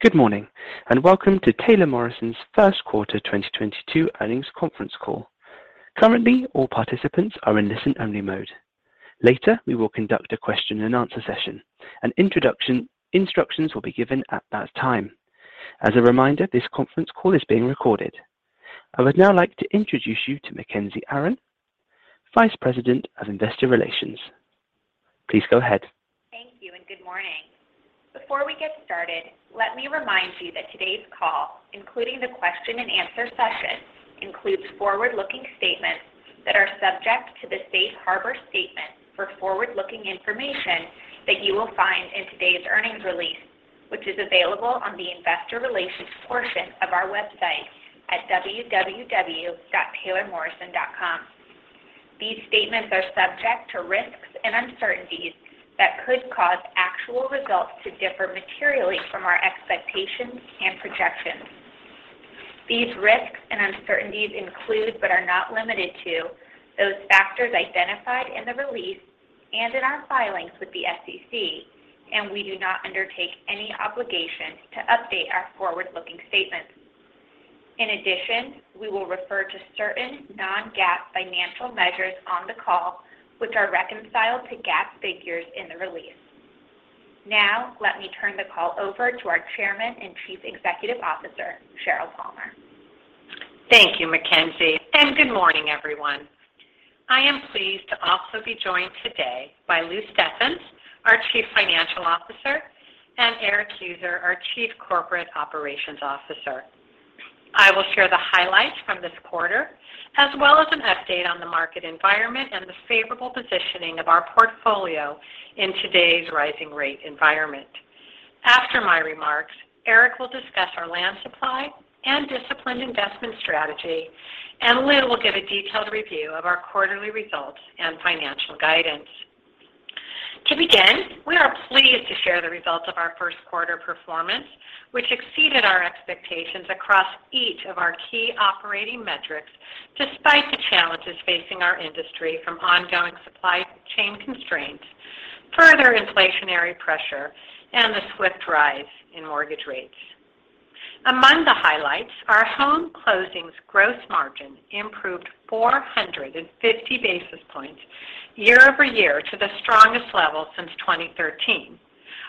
Good morning, and welcome to Taylor Morrison's First Quarter 2022 Earnings Conference Call. Currently, all participants are in listen-only mode. Later, we will conduct a Q&A session. Instructions will be given at that time. As a reminder, this conference call is being recorded. I would now like to introduce you to Mackenzie Aron, Vice President of Investor Relations. Please go ahead. Thank you, and good morning. Before we get started, let me remind you that today's call, including the Q&A session, includes forward-looking statements that are subject to the safe harbor statement for forward-looking information that you will find in today's earnings release, which is available on the investor relations portion of our website at www.taylormorrison.com. These statements are subject to risks and uncertainties that could cause actual results to differ materially from our expectations and projections. These risks and uncertainties include, but are not limited to, those factors identified in the release and in our filings with the SEC, and we do not undertake any obligation to update our forward-looking statements. In addition, we will refer to certain non-GAAP financial measures on the call, which are reconciled to GAAP figures in the release. Now, let me turn the call over to our Chairman and Chief Executive Officer, Sheryl Palmer. Thank you, Mackenzie, and good morning, everyone. I am pleased to also be joined today by Lou Steffens, our Chief Financial Officer, and Erik Heuser, our Chief Corporate Operations Officer. I will share the highlights from this quarter, as well as an update on the market environment and the favorable positioning of our portfolio in today's rising rate environment. After my remarks, Erik will discuss our land supply and disciplined investment strategy, and Lou will give a detailed review of our quarterly results and financial guidance. To begin, we are pleased to share the results of our first quarter performance, which exceeded our expectations across each of our key operating metrics despite the challenges facing our industry from ongoing supply chain constraints, further inflationary pressure, and the swift rise in mortgage rates. Among the highlights, our home closings gross margin improved 450 basis points year-over-year to the strongest level since 2013.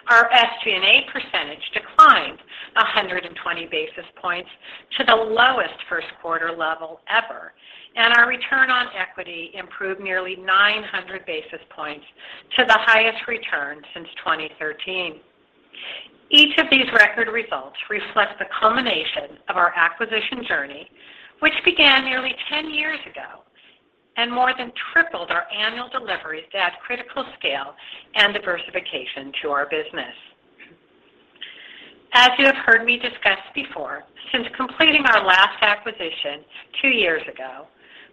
Our SG&A percentage declined 120 basis points to the lowest first quarter level ever, and our return on equity improved nearly 900 basis points to the highest return since 2013. Each of these record results reflect the culmination of our acquisition journey, which began nearly 10 years ago and more than tripled our annual deliveries to add critical scale and diversification to our business. As you have heard me discuss before, since completing our last acquisition two years ago,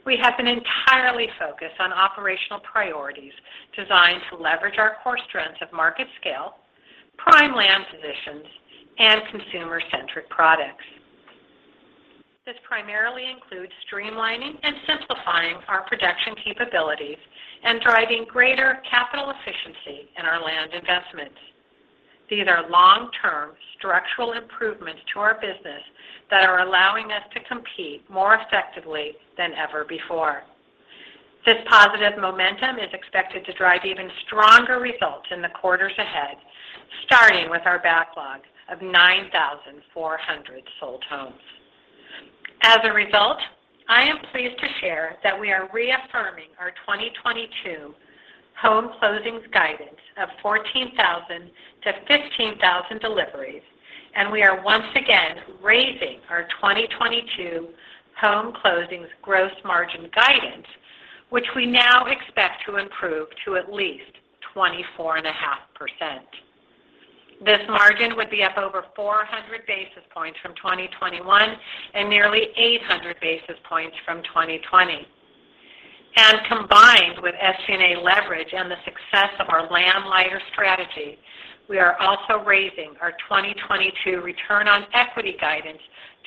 we have been entirely focused on operational priorities designed to leverage our core strengths of market scale, prime land positions, and consumer-centric products. This primarily includes streamlining and simplifying our production capabilities and driving greater capital efficiency in our land investments. These are long-term structural improvements to our business that are allowing us to compete more effectively than ever before. This positive momentum is expected to drive even stronger results in the quarters ahead, starting with our backlog of 9,400 sold homes. As a result, I am pleased to share that we are reaffirming our 2022 home closings guidance of 14,000-15,000 deliveries, and we are once again raising our 2022 home closings gross margin guidance, which we now expect to improve to at least 24.5%. This margin would be up over 400 basis points from 2021 and nearly 800 basis points from 2020. Combined with SG&A leverage and the success of our land-lighter strategy, we are also raising our 2022 return on equity guidance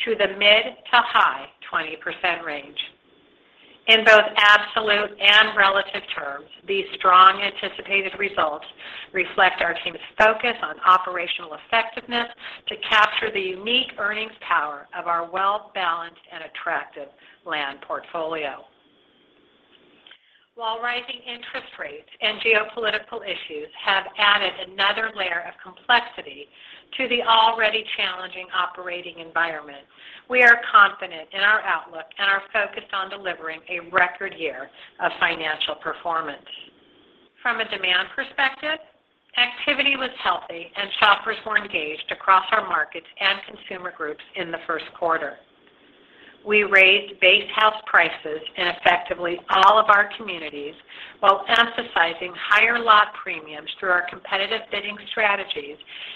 to the mid- to high-20% range. In both absolute and relative terms, these strong anticipated results reflect our team's focus on operational effectiveness to capture the unique earnings power of our well-balanced and attractive land portfolio. While rising interest rates and geopolitical issues have added another layer of complexity to the already challenging operating environment, we are confident in our outlook and are focused on delivering a record year of financial performance. From a demand perspective, activity was healthy and shoppers were engaged across our markets and consumer groups in the first quarter. We raised base house prices in effectively all of our communities while emphasizing higher lot premiums through our competitive bidding strategies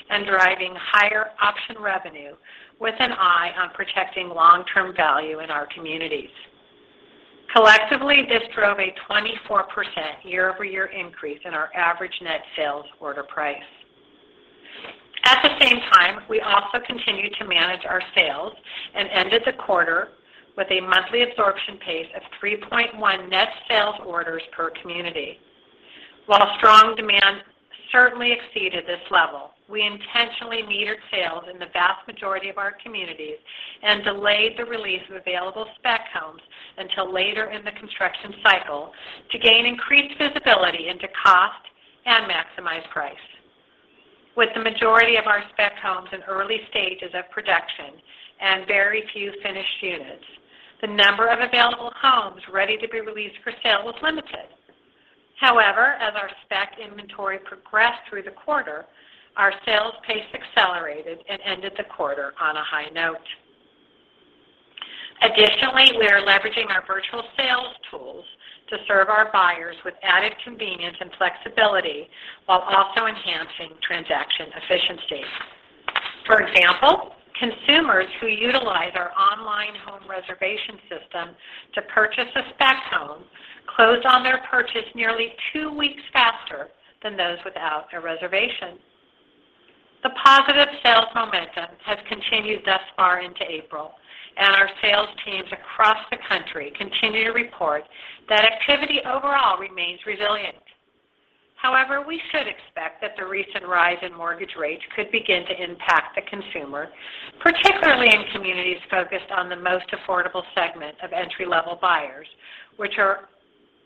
and driving higher option revenue with an eye on protecting long-term value in our communities. Collectively, this drove a 24% year-over-year increase in our average net sales order price. At the same time, we also continued to manage our sales and ended the quarter with a monthly absorption pace of 3.1 net sales orders per community. While strong demand certainly exceeded this level, we intentionally metered sales in the vast majority of our communities and delayed the release of available spec homes until later in the construction cycle to gain increased visibility into cost and maximize price. With the majority of our spec homes in early stages of production and very few finished units, the number of available homes ready to be released for sale was limited. However, as our spec inventory progressed through the quarter, our sales pace accelerated and ended the quarter on a high note. Additionally, we are leveraging our virtual sales tools to serve our buyers with added convenience and flexibility while also enhancing transaction efficiency. For example, consumers who utilize our online home reservation system to purchase a spec home closed on their purchase nearly two weeks faster than those without a reservation. The positive sales momentum has continued thus far into April, and our sales teams across the country continue to report that activity overall remains resilient. However, we should expect that the recent rise in mortgage rates could begin to impact the consumer, particularly in communities focused on the most affordable segment of entry-level buyers, which are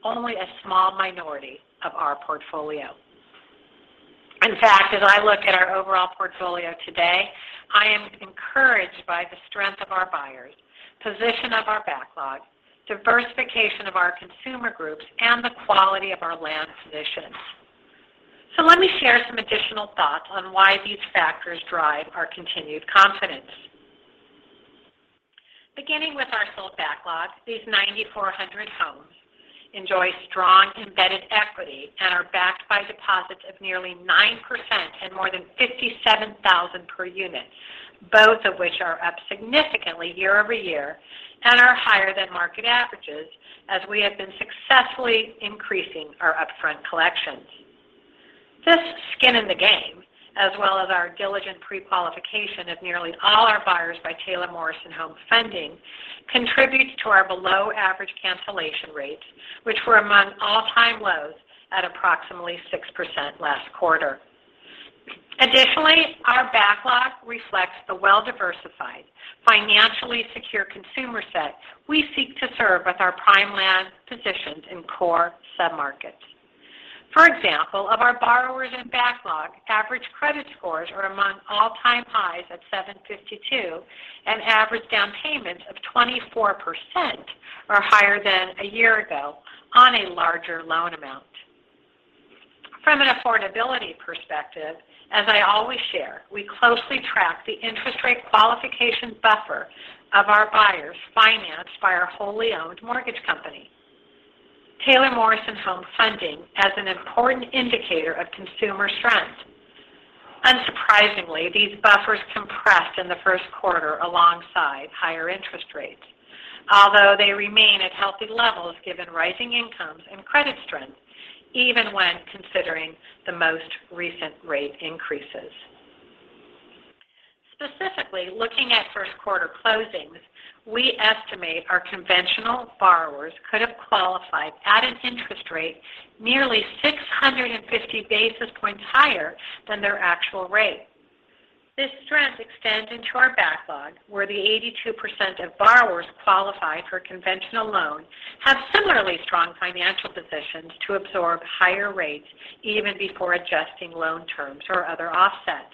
only a small minority of our portfolio. In fact, as I look at our overall portfolio today, I am encouraged by the strength of our buyers, position of our backlog, diversification of our consumer groups, and the quality of our land positions. Let me share some additional thoughts on why these factors drive our continued confidence. Beginning with our sold backlog, these 9,400 homes enjoy strong embedded equity and are backed by deposits of nearly 9% and more than $57,000 per unit, both of which are up significantly year-over-year and are higher than market averages as we have been successfully increasing our upfront collections. This skin in the game, as well as our diligent prequalification of nearly all our buyers by Taylor Morrison Home Funding, contributes to our below-average cancellation rates, which were among all-time lows at approximately 6% last quarter. Additionally, our backlog reflects the well-diversified, financially secure consumer set we seek to serve with our prime land positions in core submarkets. For example, of our borrowers in backlog, average credit scores are among all-time highs at 752, and average down payments of 24% are higher than a year ago on a larger loan amount. From an affordability perspective, as I always share, we closely track the interest rate qualification buffer of our buyers financed by our wholly owned mortgage company, Taylor Morrison Home Funding, as an important indicator of consumer strength. Unsurprisingly, these buffers compressed in the first quarter alongside higher interest rates, although they remain at healthy levels given rising incomes and credit strength, even when considering the most recent rate increases. Specifically, looking at first quarter closings, we estimate our conventional borrowers could have qualified at an interest rate nearly 650 basis points higher than their actual rate. This strength extends into our backlog, where the 82% of borrowers qualified for a conventional loan have similarly strong financial positions to absorb higher rates even before adjusting loan terms or other offsets.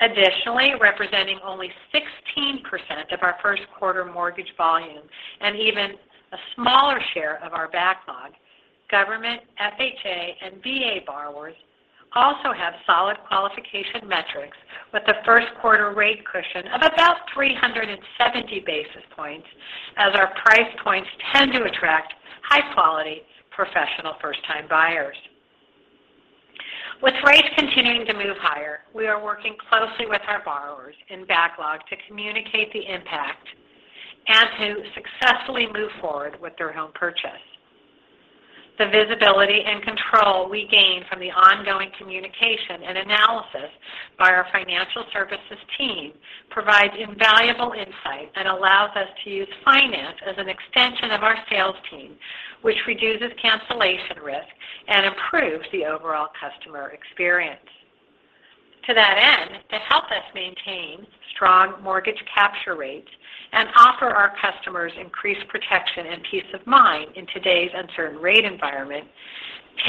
Additionally, representing only 16% of our first quarter mortgage volume and even a smaller share of our backlog, government- FHA, and VA borrowers also have solid qualification metrics with a first quarter rate cushion of about 370 basis points as our price points tend to attract high-quality professional first-time buyers. With rates continuing to move higher, we are working closely with our borrowers in backlog to communicate the impact and to successfully move forward with their home purchase. The visibility and control we gain from the ongoing communication and analysis by our financial services team provides invaluable insight and allows us to use finance as an extension of our sales team, which reduces cancellation risk and improves the overall customer experience. To that end, to help us maintain strong mortgage capture rates and offer our customers increased protection and peace of mind in today's uncertain rate environment,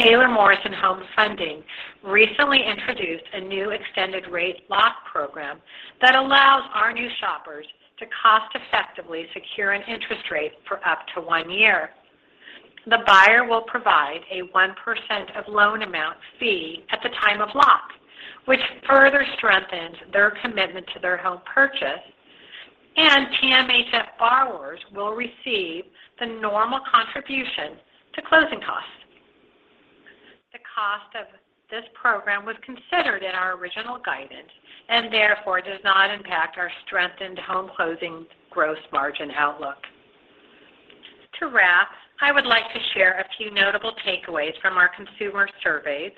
Taylor Morrison Home Funding recently introduced a new extended rate lock program that allows our new shoppers to cost-effectively secure an interest rate for up to one year. The buyer will provide a 1% of loan amount fee at the time of lock, which further strengthens their commitment to their home purchase, and TMHF borrowers will receive the normal contribution to closing costs. The cost of this program was considered in our original guidance and therefore does not impact our strengthened home closing gross margin outlook. To wrap, I would like to share a few notable takeaways from our consumer surveys,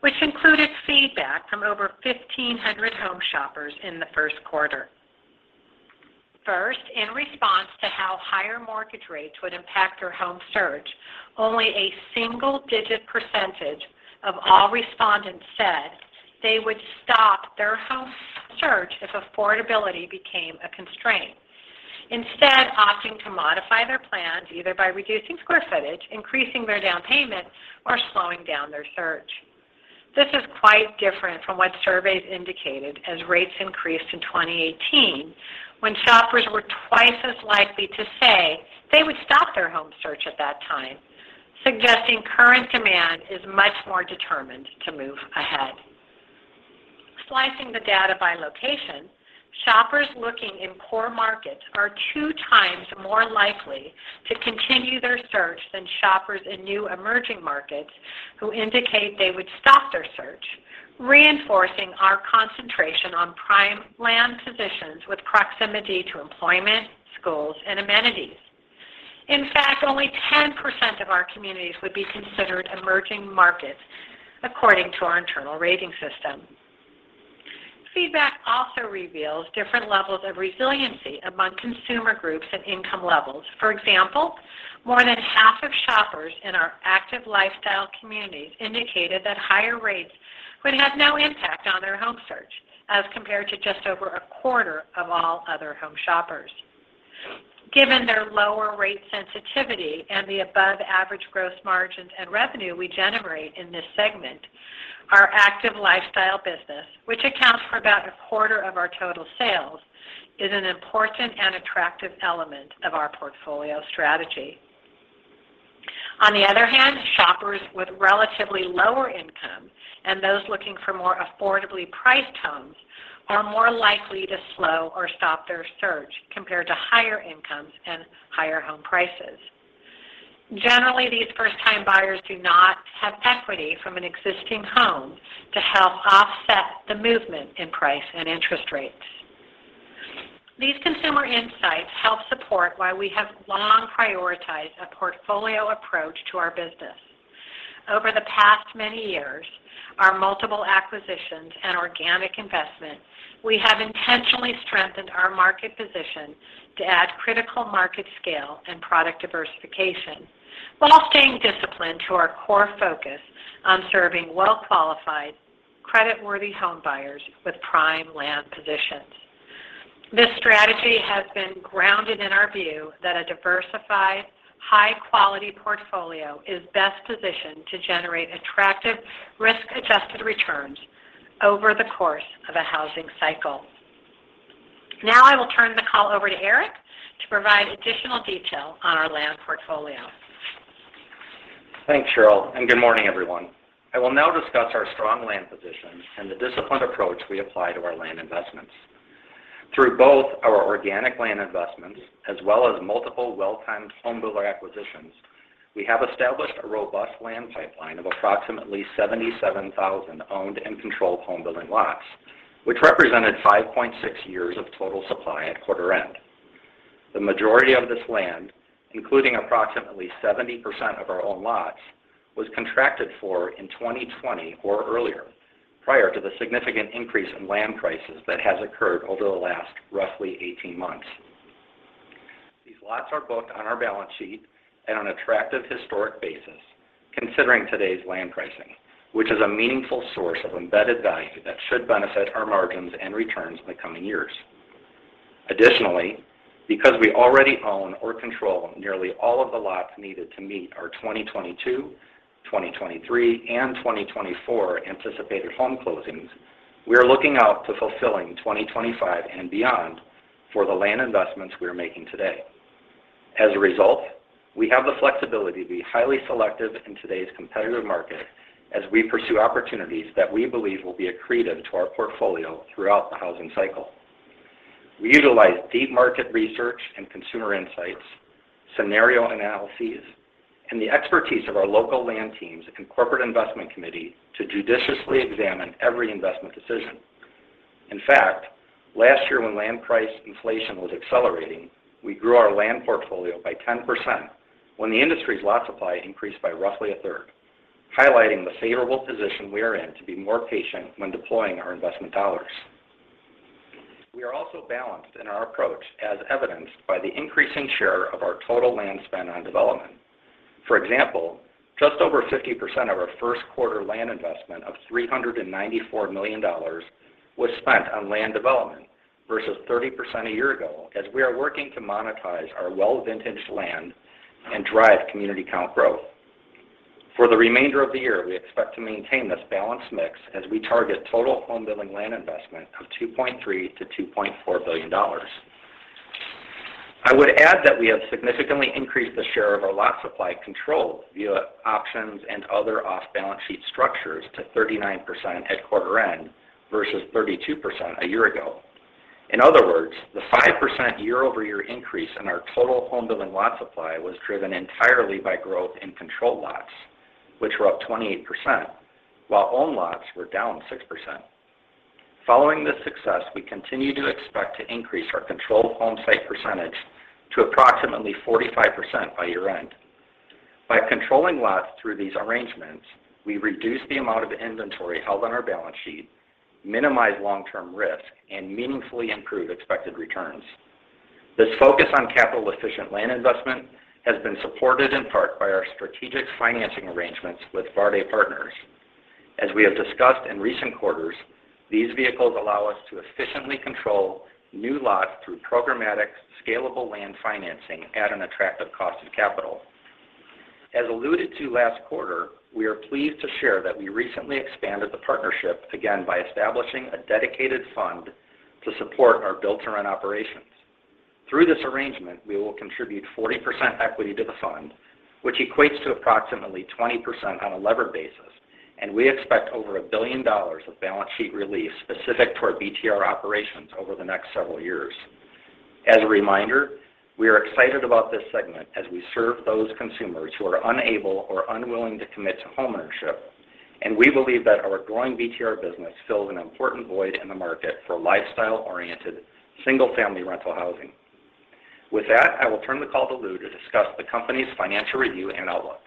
which included feedback from over 1,500 home shoppers in the first quarter. First, in response to how higher mortgage rates would impact your home search, only a single-digit percentage of all respondents said they would stop their home search if affordability became a constraint. Instead, opting to modify their plans either by reducing square footage, increasing their down payment, or slowing down their search. This is quite different from what surveys indicated as rates increased in 2018 when shoppers were twice as likely to say they would stop their home search at that time, suggesting current demand is much more determined to move ahead. Slicing the data by location, shoppers looking in core markets are two times more likely to continue their search than shoppers in new emerging markets who indicate they would stop their search, reinforcing our concentration on prime land positions with proximity to employment, schools, and amenities. In fact, only 10% of our communities would be considered emerging markets according to our internal rating system. Feedback also reveals different levels of resiliency among consumer groups and income levels. For example, more than half of shoppers in our active lifestyle communities indicated that higher rates would have no impact on their home search as compared to just over a quarter of all other home shoppers. Given their lower rate sensitivity and the above-average gross margins and revenue we generate in this segment, our active lifestyle business, which accounts for about a quarter of our total sales, is an important and attractive element of our portfolio strategy. On the other hand, shoppers with relatively lower income and those looking for more affordably priced homes are more likely to slow or stop their search compared to higher incomes and higher home prices. Generally, these first-time buyers do not have equity from an existing home to help offset the movement in price and interest rates. These consumer insights help support why we have long prioritized a portfolio approach to our business. Over the past many years, our multiple acquisitions and organic investment, we have intentionally strengthened our market position to add critical market scale and product diversification while staying disciplined to our core focus on serving well-qualified, creditworthy home buyers with prime land positions. This strategy has been grounded in our view that a diversified, high-quality portfolio is best positioned to generate attractive risk-adjusted returns over the course of a housing cycle. Now I will turn the call over to Erik to provide additional detail on our land portfolio. Thanks, Sheryl, and good morning, everyone. I will now discuss our strong land position and the disciplined approach we apply to our land investments. Through both our organic land investments as well as multiple well-timed home builder acquisitions, we have established a robust land pipeline of approximately 77,000 owned and controlled home building lots, which represented 5.6 years of total supply at quarter end. The majority of this land, including approximately 70% of our own lots, was contracted for in 2020 or earlier, prior to the significant increase in land prices that has occurred over the last roughly 18 months. These lots are booked on our balance sheet at an attractive historic basis considering today's land pricing, which is a meaningful source of embedded value that should benefit our margins and returns in the coming years. Additionally, because we already own or control nearly all of the lots needed to meet our 2022, 2023, and 2024 anticipated home closings, we are looking out to fulfilling 2025 and beyond for the land investments we are making today. As a result, we have the flexibility to be highly selective in today's competitive market as we pursue opportunities that we believe will be accretive to our portfolio throughout the housing cycle. We utilize deep market research and consumer insights, scenario analyses, and the expertise of our local land teams and corporate investment committee to judiciously examine every investment decision. In fact, last year when land price inflation was accelerating, we grew our land portfolio by 10% when the industry's lot supply increased by roughly a third, highlighting the favorable position we are in to be more patient when deploying our investment dollars. We are also balanced in our approach as evidenced by the increasing share of our total land spend on development. For example, just over 50% of our first quarter land investment of $394 million was spent on land development versus 30% a year ago as we are working to monetize our well-vintaged land and drive community count growth. For the remainder of the year, we expect to maintain this balanced mix as we target total home building land investment of $2.3 billion-$2.4 billion. I would add that we have significantly increased the share of our lot supply control via options and other off-balance sheet structures to 39% at quarter end versus 32% a year ago. In other words, the 5% year-over-year increase in our total home building lot supply was driven entirely by growth in controlled lots, which were up 28%, while own lots were down 6%. Following this success, we continue to expect to increase our controlled home site percentage to approximately 45% by year-end. By controlling lots through these arrangements, we reduce the amount of inventory held on our balance sheet, minimize long-term risk, and meaningfully improve expected returns. This focus on capital-efficient land investment has been supported in part by our strategic financing arrangements with Värde Partners. As we have discussed in recent quarters, these vehicles allow us to efficiently control new lots through programmatic, scalable land financing at an attractive cost of capital. As alluded to last quarter, we are pleased to share that we recently expanded the partnership again by establishing a dedicated fund to support our build-to-rent operations. Through this arrangement, we will contribute 40% equity to the fund, which equates to approximately 20% on a levered basis, and we expect over $1 billion of balance sheet release specific to our BTR operations over the next several years. As a reminder, we are excited about this segment as we serve those consumers who are unable or unwilling to commit to homeownership, and we believe that our growing BTR business fills an important void in the market for lifestyle-oriented single-family rental housing. With that, I will turn the call to Lou to discuss the company's financial review and outlook.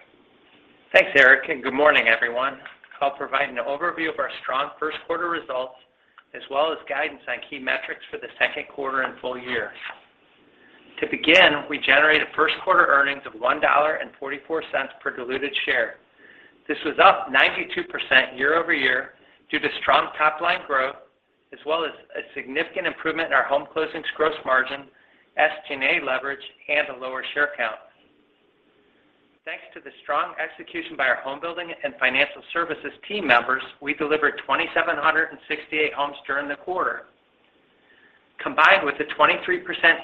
Thanks, Erik, and good morning, everyone. I'll provide an overview of our strong first quarter results as well as guidance on key metrics for the second quarter and full year. To begin, we generated first quarter earnings of $1.44 per diluted share. This was up 92% year-over-year due to strong top-line growth as well as a significant improvement in our home closings gross margin, SG&A leverage, and a lower share count. Thanks to the strong execution by our home building and financial services team members, we delivered 2,768 homes during the quarter. Combined with the 23%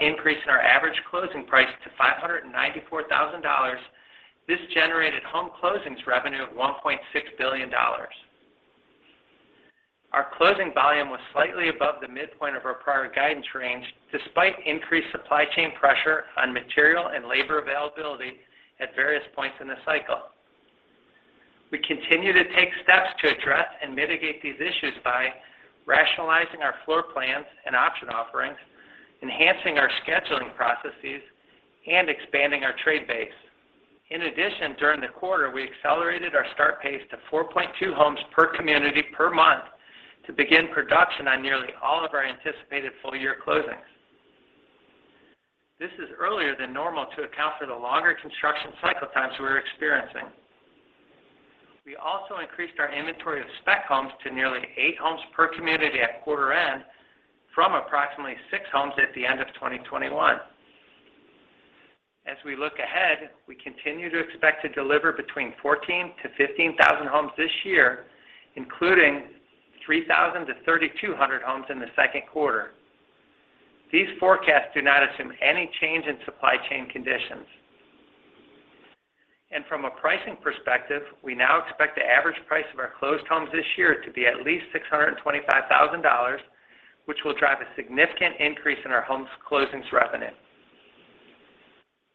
increase in our average closing price to $594,000, this generated home closings revenue of $1.6 billion. Our closing volume was slightly above the midpoint of our prior guidance range despite increased supply chain pressure on material and labor availability at various points in the cycle. We continue to take steps to address and mitigate these issues by rationalizing our floor plans and option offerings, enhancing our scheduling processes, and expanding our trade base. In addition, during the quarter, we accelerated our start pace to 4.2 homes per community per month to begin production on nearly all of our anticipated full-year closings. This is earlier than normal to account for the longer construction cycle times we're experiencing. We also increased our inventory of spec homes to nearly eight homes per community at quarter end from approximately six homes at the end of 2021. As we look ahead, we continue to expect to deliver between 14,000-15,000 homes this year, including 3,000-3,200 homes in the second quarter. These forecasts do not assume any change in supply chain conditions. From a pricing perspective, we now expect the average price of our closed homes this year to be at least $625,000, which will drive a significant increase in our home closings revenue.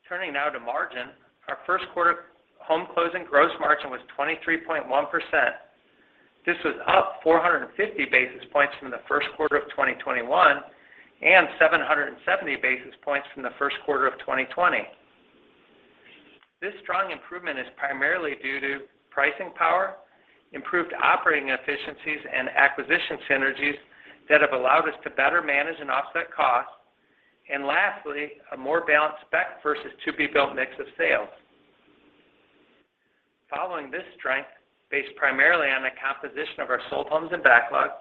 Turning now to margin. Our first quarter home closing gross margin was 23.1%. This was up 450 basis points from the first quarter of 2021 and 770 basis points from the first quarter of 2020. This strong improvement is primarily due to pricing power, improved operating efficiencies and acquisition synergies that have allowed us to better manage and offset costs, and lastly, a more balanced spec versus to be built mix of sales. Following this strength, based primarily on the composition of our sold homes and backlog,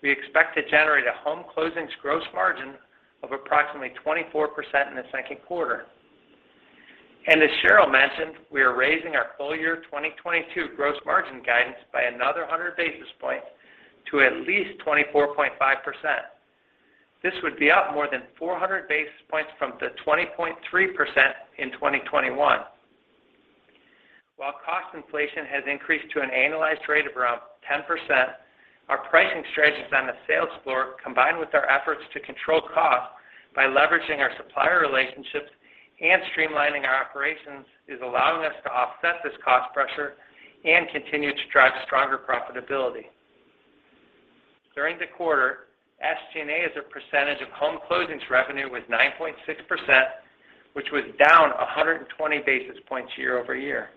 we expect to generate a home closings gross margin of approximately 24% in the second quarter. As Sheryl mentioned, we are raising our full-year 2022 gross margin guidance by another 100 basis points to at least 24.5%. This would be up more than 400 basis points from the 20.3% in 2021. While cost inflation has increased to an annualized rate of around 10%, our pricing strategies on the sales floor, combined with our efforts to control costs by leveraging our supplier relationships and streamlining our operations, is allowing us to offset this cost pressure and continue to drive stronger profitability. During the quarter, SG&A as a percentage of home closings revenue was 9.6%, which was down 120 basis points year-over-year.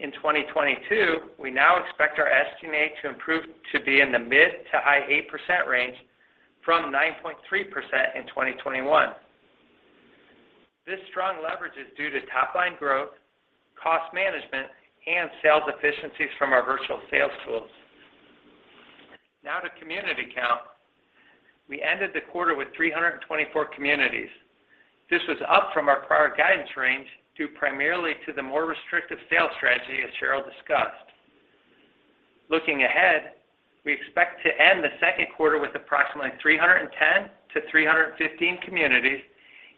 In 2022, we now expect our SG&A to improve to be in the mid to high 8% range from 9.3% in 2021. This strong leverage is due to top-line growth, cost management, and sales efficiencies from our virtual sales tools. Now to community count. We ended the quarter with 324 communities. This was up from our prior guidance range due primarily to the more restrictive sales strategy as Sheryl discussed. Looking ahead, we expect to end the second quarter with approximately 310-315 communities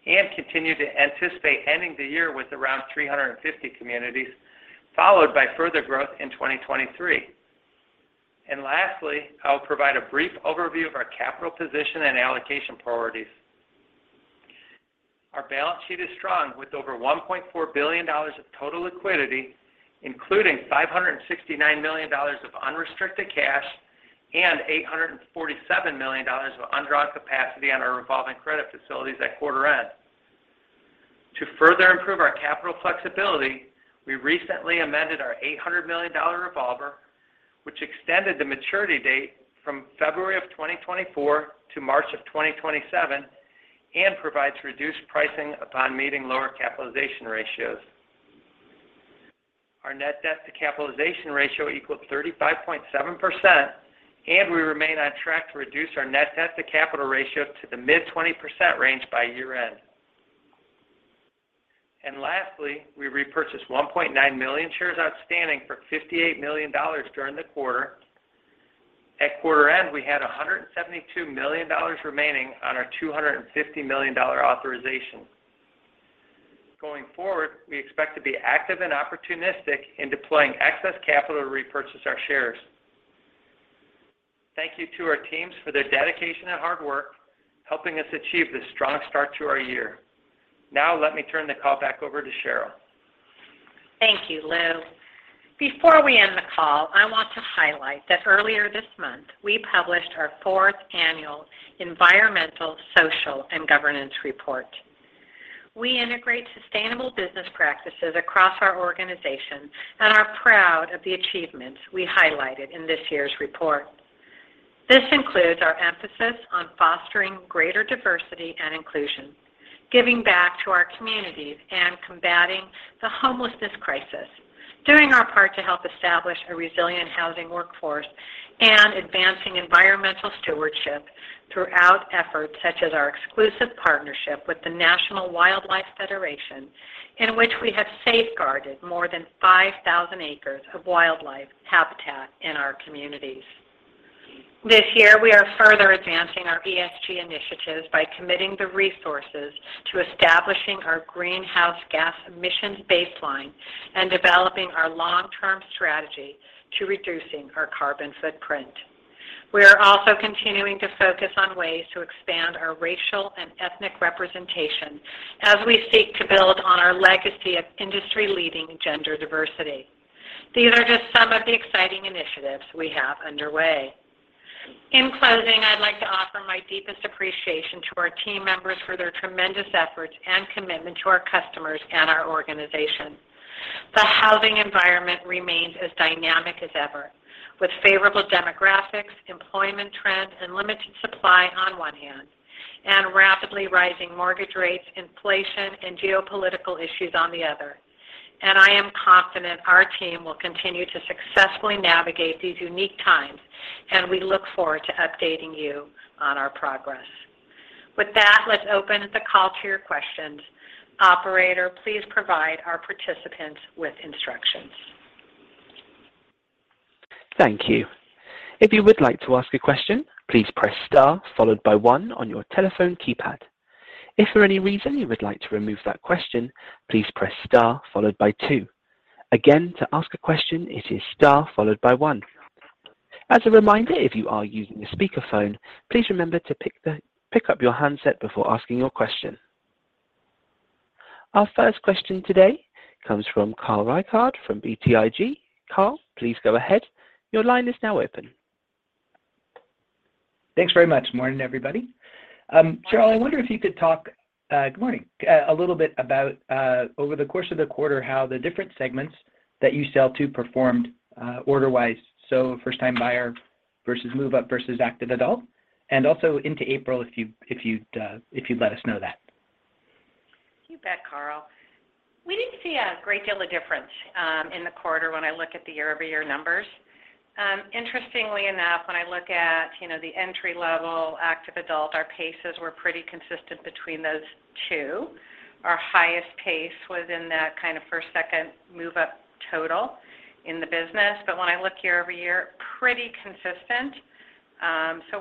and continue to anticipate ending the year with around 350 communities, followed by further growth in 2023. Lastly, I will provide a brief overview of our capital position and allocation priorities. Our balance sheet is strong with over $1.4 billion of total liquidity, including $569 million of unrestricted cash and $847 million of undrawn capacity on our revolving credit facilities at quarter end. To further improve our capital flexibility, we recently amended our $800 million revolver, which extended the maturity date from February of 2024 to March of 2027 and provides reduced pricing upon meeting lower capitalization ratios. Our net debt to capitalization ratio equaled 35.7%, and we remain on track to reduce our net debt to capital ratio to the mid-20% range by year-end. Lastly, we repurchased 1.9 million shares outstanding for $58 million during the quarter. At quarter-end, we had $172 million remaining on our $250 million authorization. Going forward, we expect to be active and opportunistic in deploying excess capital to repurchase our shares. Thank you to our teams for their dedication and hard work, helping us achieve this strong start to our year. Now let me turn the call back over to Sheryl. Thank you, Lou. Before we end the call, I want to highlight that earlier this month, we published our Fourth Annual Environmental, Social and Governance report. We integrate sustainable business practices across our organization and are proud of the achievements we highlighted in this year's report. This includes our emphasis on fostering greater diversity and inclusion, giving back to our communities and combating the homelessness crisis, doing our part to help establish a resilient housing workforce and advancing environmental stewardship through our efforts such as our exclusive partnership with the National Wildlife Federation, in which we have safeguarded more than 5,000 acres of wildlife habitat in our communities. This year, we are further advancing our ESG initiatives by committing the resources to establishing our greenhouse gas emissions baseline and developing our long-term strategy to reducing our carbon footprint. We are also continuing to focus on ways to expand our racial and ethnic representation as we seek to build on our legacy of industry-leading gender diversity. These are just some of the exciting initiatives we have underway. In closing, I'd like to offer my deepest appreciation to our team members for their tremendous efforts and commitment to our customers and our organization. The housing environment remains as dynamic as ever, with favorable demographics, employment trends, and limited supply on one hand, and rapidly rising mortgage rates, inflation, and geopolitical issues on the other. I am confident our team will continue to successfully navigate these unique times, and we look forward to updating you on our progress. With that, let's open the call to your questions. Operator, please provide our participants with instructions. Thank you. If you would like to ask a question, please press star followed by one on your telephone keypad. If for any reason you would like to remove that question, please press star followed by two. Again, to ask a question, it is star followed by one. As a reminder, if you are using a speakerphone, please remember to pick up your handset before asking your question. Our first question today comes from Carl Reichardt from BTIG. Carl, please go ahead. Your line is now open. Thanks very much. Morning, everybody. Sheryl, I wonder if you could talk, good morning, a little bit about over the course of the quarter, how the different segments that you sell to performed order-wise. First-time buyer versus move-up versus active adult, and also into April, if you'd let us know that. You bet, Carl. We didn't see a great deal of difference in the quarter when I look at the year-over-year numbers. Interestingly enough, when I look at, you know, the entry-level active adult, our paces were pretty consistent between those two. Our highest pace was in that kind of first, second move-up total in the business. But when I look year-over-year, pretty consistent.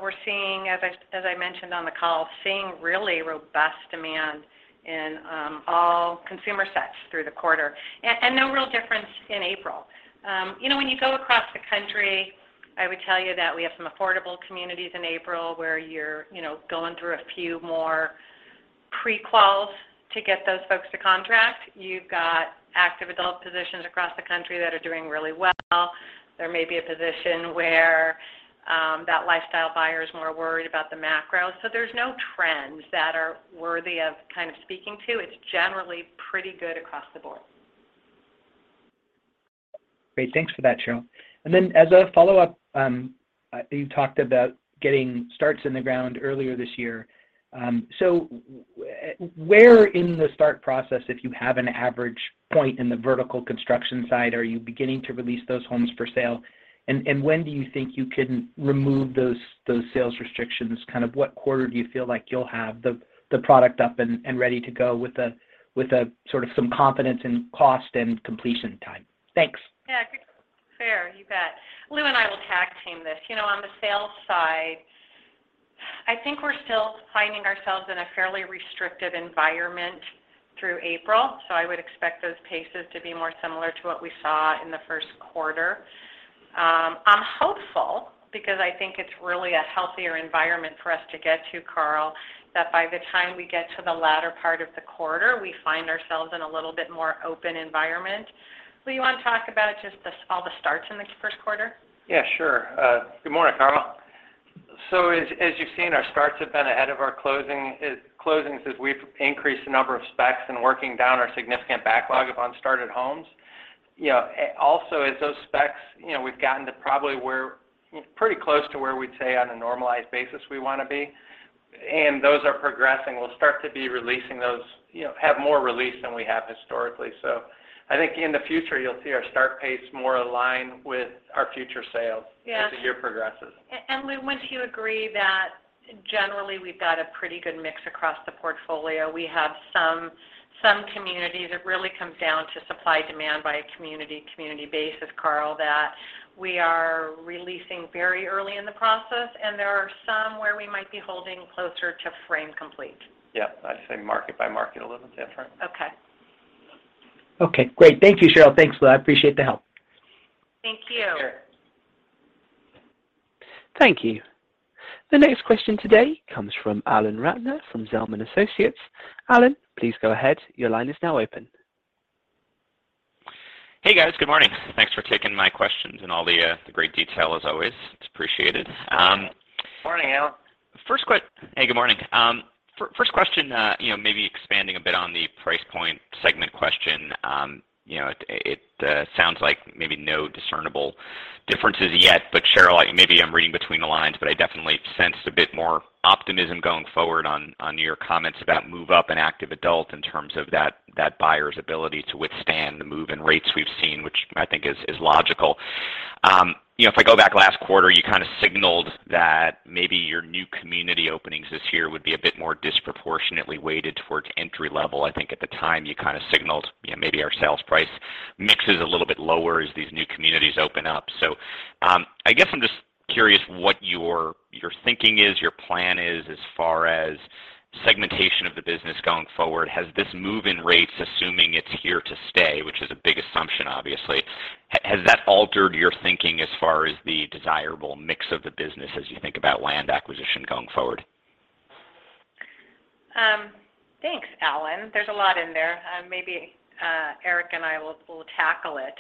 We're seeing as I mentioned on the call, seeing really robust demand in all consumer sets through the quarter. And no real difference in April. You know, when you go across the country, I would tell you that we have some affordable communities in April where you're, you know, going through a few more pre-quals to get those folks to contract. You've got active adult positions across the country that are doing really well. There may be a position where that lifestyle buyer is more worried about the macro. There's no trends that are worthy of kind of speaking to. It's generally pretty good across the board. Great. Thanks for that, Sheryl. As a follow-up, you talked about getting starts in the ground earlier this year. Where in the start process, if you have an average point in the vertical construction side, are you beginning to release those homes for sale? When do you think you can remove those sales restrictions? Kind of what quarter do you feel like you'll have the product up and ready to go with a sort of some confidence in cost and completion time? Thanks. Yeah, fair. You bet. Lou and I will tag team this. You know, on the sales side, I think we're still finding ourselves in a fairly restrictive environment through April- so, I would expect those paces to be more similar to what we saw in the first quarter. I'm hopeful because I think it's really a healthier environment for us to get to, Carl, that by the time we get to the latter part of the quarter, we find ourselves in a little bit more open environment. Lou, you want to talk about just all the starts in the first quarter? Yeah, sure. Good morning, Carl. As you've seen, our starts have been ahead of our closings as we've increased the number of specs and working down our significant backlog of unstarted homes. You know, also as those specs, you know, we've gotten to probably where, pretty close to where we'd say on a normalized basis we wanna be. Those are progressing. We'll start to be releasing those, you know, have more release than we have historically. I think in the future, you'll see our start pace more aligned with our future sales... Yes ...as the year progresses. Lou, wouldn't you agree that generally we've got a pretty good mix across the portfolio? We have some communities. It really comes down to supply and demand by a community basis, Carl, that we are releasing very early in the process, and there are some where we might be holding closer to frame complete. Yeah. I'd say market by market a little bit different. Okay. Okay, great. Thank you, Sheryl. Thanks, Lou. I appreciate the help. Thank you. Sure. Thank you. The next question today comes from Alan Ratner from Zelman & Associates. Alan, please go ahead. Your line is now open. Hey, guys. Good morning. Thanks for taking my questions and all the great detail as always. It's appreciated. Morning, Alan. Hey, good morning. First question, you know, maybe expanding a bit on the price point segment question. You know, it sounds like maybe no discernible differences yet, but Sheryl, maybe I'm reading between the lines, but I definitely sensed a bit more optimism going forward on your comments about move up and active adult in terms of that buyer's ability to withstand the move in rates we've seen, which I think is logical. You know, if I go back last quarter, you kind of signaled that maybe your new community openings this year would be a bit more disproportionately weighted towards entry level. I think at the time, you kind of signaled, you know, maybe our sales price mix is a little bit lower as these new communities open up. I guess I'm just curious what your thinking is, your plan is as far as segmentation of the business going forward. Has this move in rates, assuming it's here to stay, which is a big assumption, obviously, has that altered your thinking as far as the desirable mix of the business as you think about land acquisition going forward? Thanks, Alan. There's a lot in there. Maybe Erik and I will tackle it.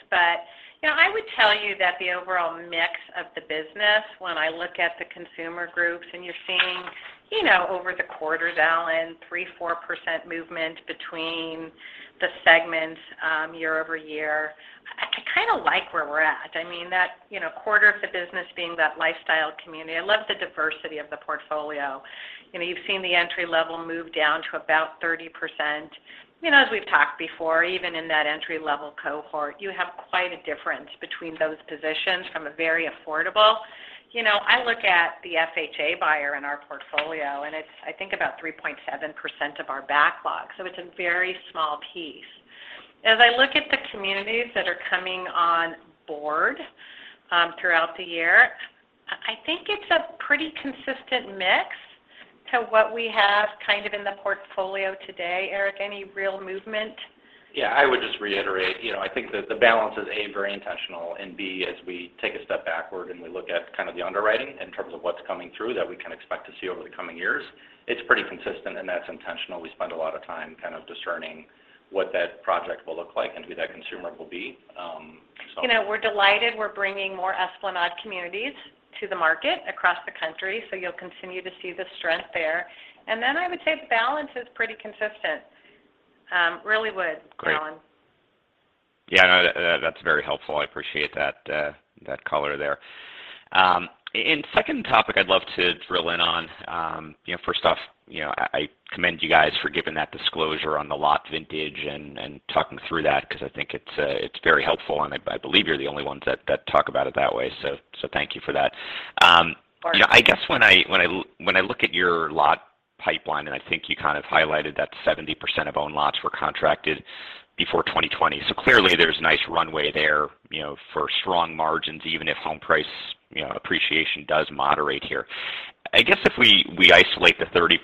You know, I would tell you that the overall mix of the business when I look at the consumer groups, and you're seeing, you know, over the quarters, Alan, 3-4% movement between the segments, year-over-year, I kinda like where we're at. I mean, that, you know, quarter of the business being that lifestyle community, I love the diversity of the portfolio. You know, you've seen the entry level move down to about 30%. You know, as we've talked before, even in that entry level cohort, you have quite a difference between those positions from a very affordable. You know, I look at the FHA buyer in our portfolio, and it's I think about 3.7% of our backlog. It's a very small piece. As I look at the communities that are coming on board, throughout the year, I think it's a pretty consistent mix to what we have kind of in the portfolio today. Erik, any real movement? Yeah. I would just reiterate, you know, I think that the balance is, A- very intentional, and B- as we take a step backward, and we look at kind of the underwriting in terms of what's coming through that we can expect to see over the coming years, it's pretty consistent, and that's intentional. We spend a lot of time kind of discerning what that project will look like and who that consumer will be. You know, we're delighted we're bringing more Esplanade communities to the market across the country, so you'll continue to see the strength there. I would say the balance is pretty consistent. Really would, Alan. Great. Yeah, no, that's very helpful. I appreciate that color there. Second topic I'd love to drill in on, you know, first off, you know, I commend you guys for giving that disclosure on the lot vintage and talking through that because I think it's very helpful, and I believe you're the only ones that talk about it that way. Thank you for that. You know, I guess when I look at your lot pipeline, and I think you kind of highlighted that 70% of own lots were contracted before 2020, so clearly, there's nice runway there, you know, for strong margins, even if home price, you know, appreciation does moderate here. I guess if we isolate the 30%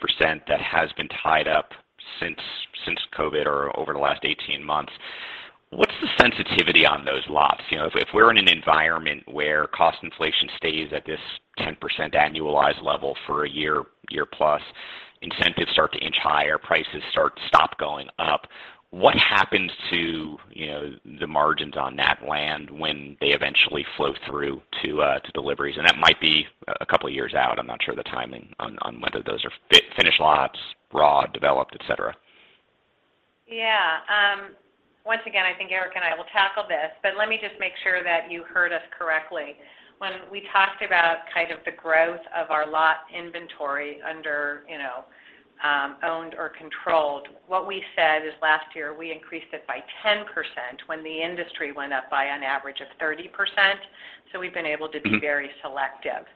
that has been tied up since COVID or over the last 18 months, what's the sensitivity on those lots? You know, if we're in an environment where cost inflation stays at this 10% annualized level for a year plus, incentives start to inch higher, prices start to stop going up, what happens to, you know, the margins on that land when they eventually flow through to deliveries? That might be a couple of years out. I'm not sure of the timing on whether those are finished lots, raw, developed, et cetera. Yeah. Once again, I think Erik and I will tackle this, but let me just make sure that you heard us correctly. When we talked about kind of the growth of our lot inventory under, you know, owned or controlled, what we said is last year, we increased it by 10% when the industry went up by an average of 30%. We've been able to be very selective.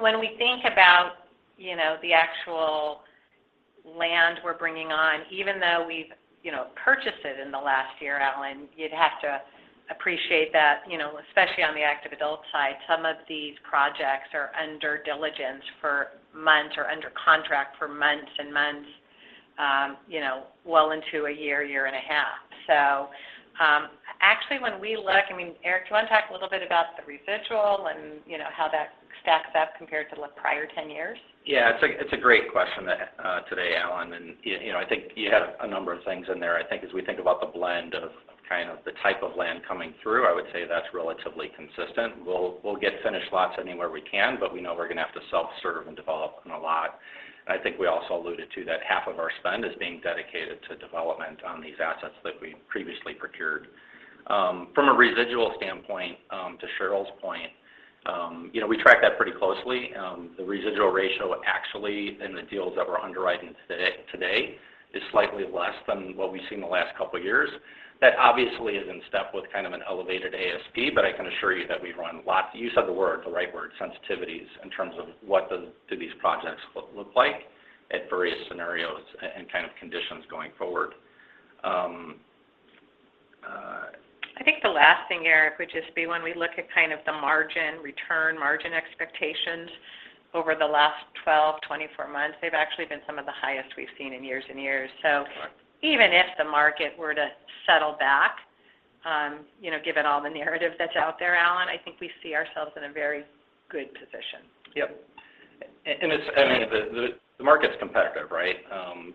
When we think about, you know, the actual land we're bringing on, even though we've, you know, purchased it in the last year, Alan, you'd have to appreciate that, you know, especially on the active adult side, some of these projects are under diligence for months or under contract for months and months, you know, well into a year and a half. Actually, when we look, I mean, Erik, do you want to talk a little bit about the residual and, you know, how that stacks up compared to the prior ten years? Yeah. It's a great question today, Alan, and you know, I think you have a number of things in there. I think as we think about the blend of kind of the type of land coming through, I would say that's relatively consistent. We'll get finished lots anywhere we can, but we know we're gonna have to self-serve and develop them a lot. I think we also alluded to that half of our spend is being dedicated to development on these assets that we previously procured. From a residual standpoint, to Sheryl's point, you know, we track that pretty closely. The residual ratio actually in the deals that we're underwriting today is slightly less than what we've seen the last couple of years. That obviously is in step with kind of an elevated ASP, but I can assure you that we run lots of sensitivities in terms of what do these projects look like at various scenarios and kind of conditions going forward. I think the last thing, Erik, would just be when we look at kind of the margin, return margin expectations over the last 12, 24 months- they've actually been some of the highest we've seen in years and years. Even if the market were to settle back, you know, given all the narrative that's out there, Alan, I think we see ourselves in a very good position. Yep. It's, I mean, the market's competitive, right?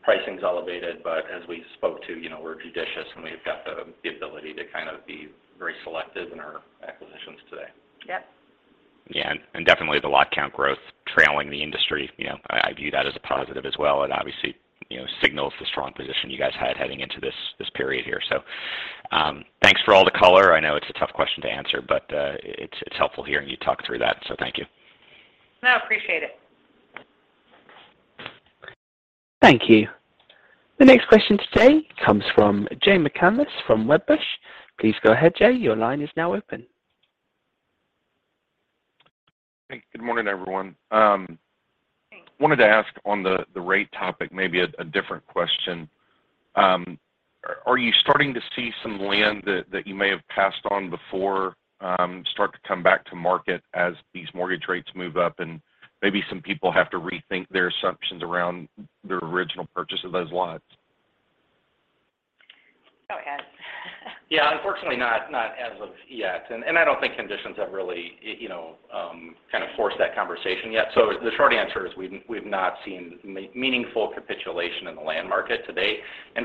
Pricing's elevated, but as we spoke to, you know, we're judicious, and we've got the ability to kind of be very selective in our acquisitions today. Yep. Yeah. Definitely the lot count growth trailing the industry. You know, I view that as a positive as well, and obviously, you know, signals the strong position you guys had heading into this period here. Thanks for all the color. I know it's a tough question to answer, but it's helpful hearing you talk through that. Thank you. No, appreciate it. Thank you. The next question today comes from Jay McCanless from Wedbush. Please go ahead, Jay. Your line is now open. Hey, good morning, everyone. Hey. Wanted to ask on the rate topic maybe a different question. Are you starting to see some land that you may have passed on before start to come back to market as these mortgage rates move up and maybe some people have to rethink their assumptions around their original purchase of those lots? Go ahead. Yeah, unfortunately not as of yet. I don't think conditions have really, you know, kind of forced that conversation yet. The short answer is we've not seen meaningful capitulation in the land market to date.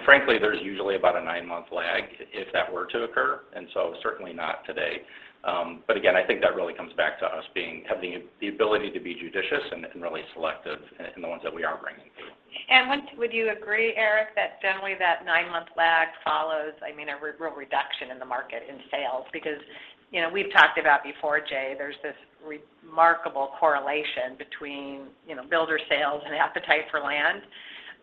Frankly, there's usually about a nine-month lag if that were to occur, and certainly not today. But again, I think that really comes back to us having the ability to be judicious and really selective in the ones that we are bringing through. Would you agree, Erik, that generally that nine-month lag follows, I mean, a real reduction in the market in sales? Because, you know, we've talked about before, Jay, there's this remarkable correlation between, you know, builder sales and appetite for land,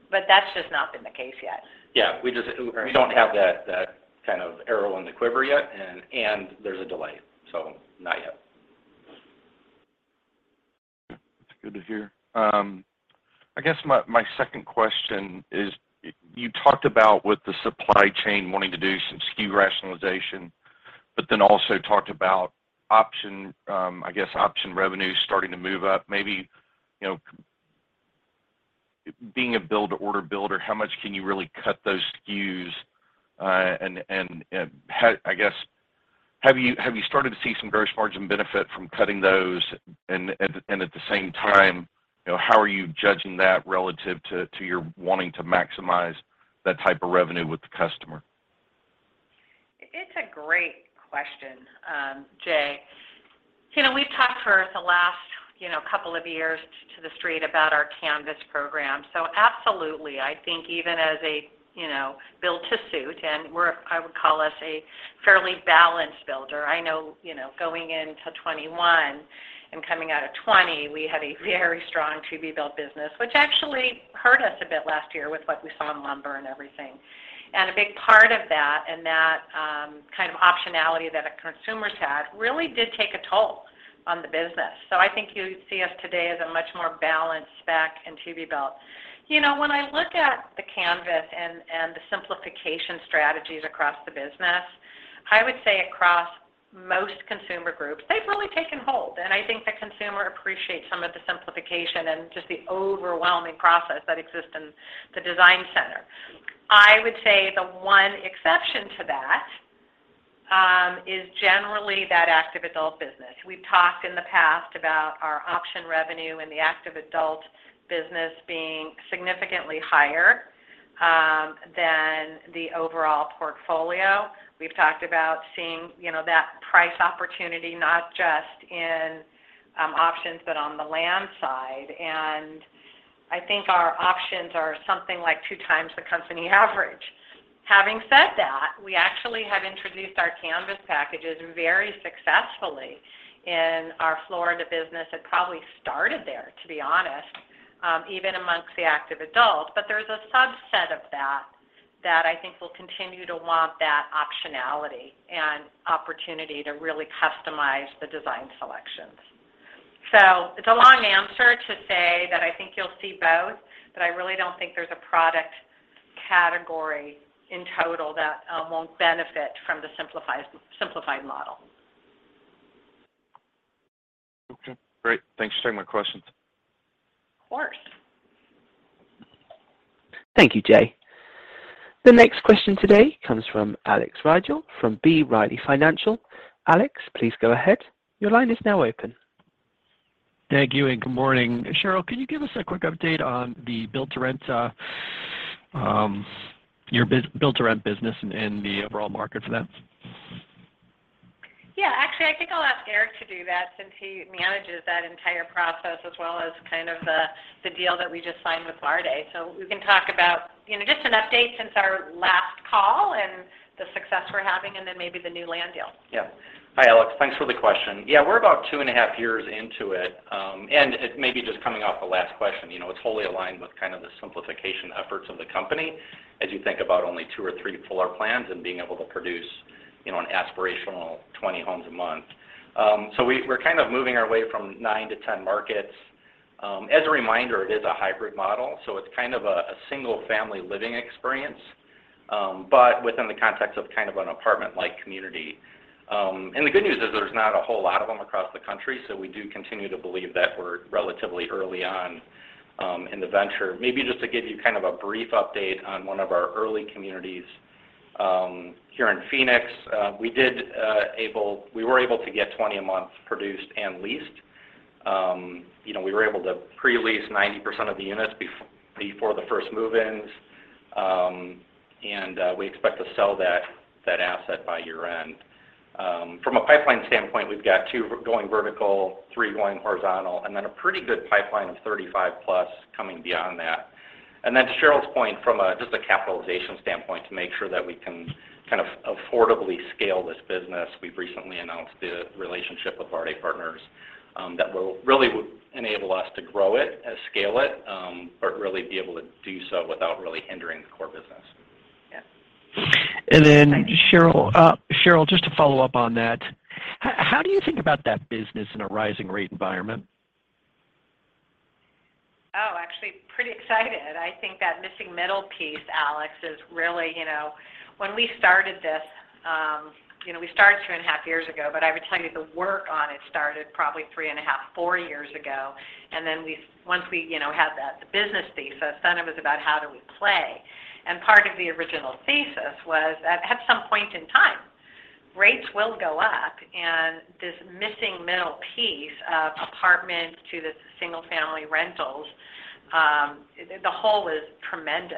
but that's just not been the case yet. Yeah. We don't have that kind of arrow in the quiver yet, and there's a delay, so not yet. That's good to hear. I guess my second question is you talked about with the supply chain wanting to do some SKU rationalization, but then also talked about option revenue starting to move up. Maybe, you know, being a build to order builder, how much can you really cut those SKUs, and I guess, have you started to see some gross margin benefit from cutting those and at the same time, you know, how are you judging that relative to your wanting to maximize that type of revenue with the customer? It's a great question, Jay. You know, we've talked for the last, you know, couple of years to the street about our Canvas program. Absolutely, I think even as a, you know, build to suit, I would call us a fairly balanced builder. I know, you know, going into 2021 and coming out of 2020, we had a very strong to-be-built business, which actually hurt us a bit last year with what we saw in lumber and everything. A big part of that kind of optionality that our consumers had really did take a toll on the business. I think you see us today as a much more balanced spec and to-be-built. You know, when I look at the Canvas and the simplification strategies across the business, I would say across most consumer groups, they've really taken hold. I think the consumer appreciates some of the simplification and just the overwhelming process that exists in the design center. I would say the one exception to that is generally that active adult business. We've talked in the past about our option revenue and the active adult business being significantly higher than the overall portfolio. We've talked about seeing, you know, that price opportunity not just in options, but on the land side. I think our options are something like two times the company average. Having said that, we actually have introduced our Canvas packages very successfully in our Florida business. It probably started there, to be honest, even among the active adults. There's a subset of that that I think will continue to want that optionality and opportunity to really customize the design selections. It's a long answer to say that I think you'll see both, but I really don't think there's a product category in total that won't benefit from the simplified model. Okay, great. Thanks for taking my questions. Of course. Thank you, Jay. The next question today comes from Alex Rygiel from B. Riley Financial. Alex, please go ahead. Your line is now open. Thank you and good morning. Sheryl, can you give us a quick update on the build-to-rent- your build-to-rent business and the overall markets then? Yeah. Actually, I think I'll ask Erik to do that since he manages that entire process as well as kind of the deal that we just signed with Värde. We can talk about, you know, just an update since our last call and the success we're having and then maybe the new land deal. Yeah. Hi, Alex. Thanks for the question. Yeah. We're about two and a half years into it. It may be just coming off the last question, you know, it's wholly aligned with kind of the simplification efforts of the company as you think about only two or three pillar plans and being able to produce, you know, an aspirational 20 homes a month. We're kind of moving our way from nine to 10 markets. As a reminder, it is a hybrid model, so it's kind of a single family living experience, but within the context of kind of an apartment-like community. The good news is there's not a whole lot of them across the country, so we do continue to believe that we're relatively early on in the venture. Maybe just to give you kind of a brief update on one of our early communities here in Phoenix, we were able to get 20 a month produced and leased. You know, we were able to pre-lease 90% of the units before the first move-ins. We expect to sell that asset by year-end. From a pipeline standpoint, we've got two going vertical, three going horizontal, and then a pretty good pipeline of 35+ coming beyond that. To Sheryl's point from just a capitalization standpoint to make sure that we can kind of affordably scale this business, we've recently announced the relationship with Värde Partners that will really enable us to grow it and scale it, but really be able to do so without really hindering the core business. Yeah. Sheryl, just to follow up on that, how do you think about that business in a rising rate environment? Oh, actually pretty excited. I think that missing middle piece, Alex, is really, you know, when we started this, you know, we started two and a half years ago, but I would tell you the work on it started probably three and a half, four years ago. Then once we, you know, had that, the business thesis, then it was about how do we play. Part of the original thesis was at some point in time, rates will go up, and this missing middle piece of apartment to the single family rentals, the hole is tremendous.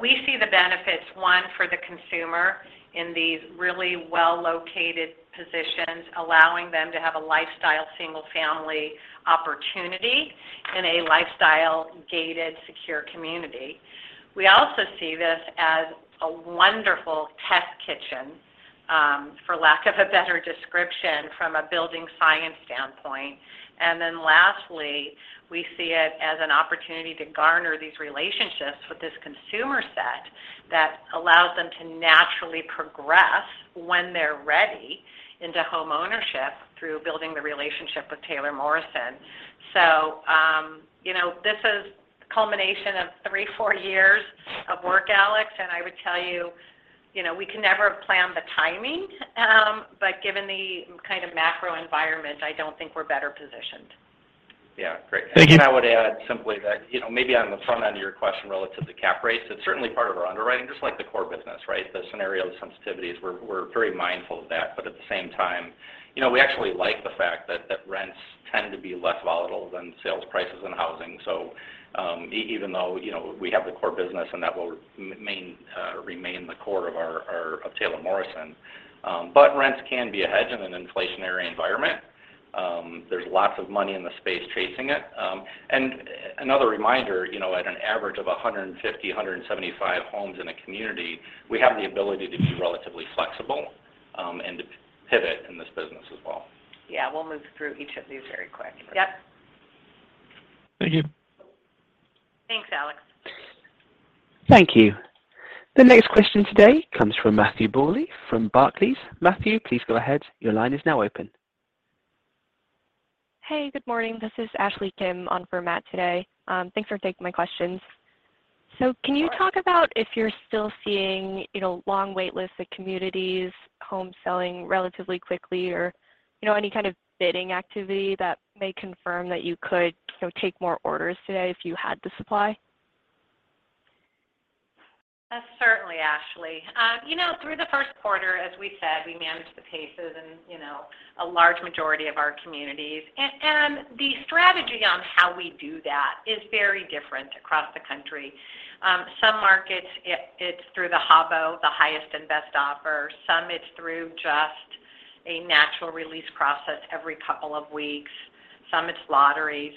We see the benefits, one, for the consumer in these really well-located positions, allowing them to have a lifestyle single family opportunity in a lifestyle gated, secure community. We also see this as a wonderful test kitchen, for lack of a better description from a building science standpoint. Lastly, we see it as an opportunity to garner these relationships with this consumer set that allows them to naturally progress when they're ready into homeownership through building the relationship with Taylor Morrison. You know, this is the culmination of three-four years of work, Alex, and I would tell you know, we can never plan the timing, but given the kind of macro environment, I don't think we're better positioned. Yeah. Great. Thank you. I would add simply that, you know, maybe on the front end of your question relative to cap rates, it's certainly part of our underwriting, just like the core business, right? The scenario sensitivities, we're very mindful of that. At the same time, you know, we actually like the fact that rents tend to be less volatile than sales prices in housing. Even though, you know, we have the core business and that will remain the core of Taylor Morrison. Rents can be a hedge in an inflationary environment. There's lots of money in the space chasing it. Another reminder, you know, at an average of 150-175 homes in a community, we have the ability to be relatively flexible and to pivot in this business as well. Yeah. We'll move through each of these very quickly. Yep. Thank you. Thanks, Alex. Thank you. The next question today comes from Matthew Bouley from Barclays. Matthew, please go ahead. Your line is now open. Hey, good morning. This is Ashley Kim on for Matt today. Thanks for taking my questions. Can you talk about if you're still seeing, you know, long wait lists at communities, homes selling relatively quickly or, you know, any kind of bidding activity that may confirm that you could sort of take more orders today if you had the supply? Certainly, Ashley. You know, through the first quarter, as we said, we managed the paces in, you know, a large majority of our communities. And the strategy on how we do that is very different across the country. Some markets it's through the HOBO, the highest and best offer. Some it's through just a natural release process every couple of weeks. Some it's lotteries.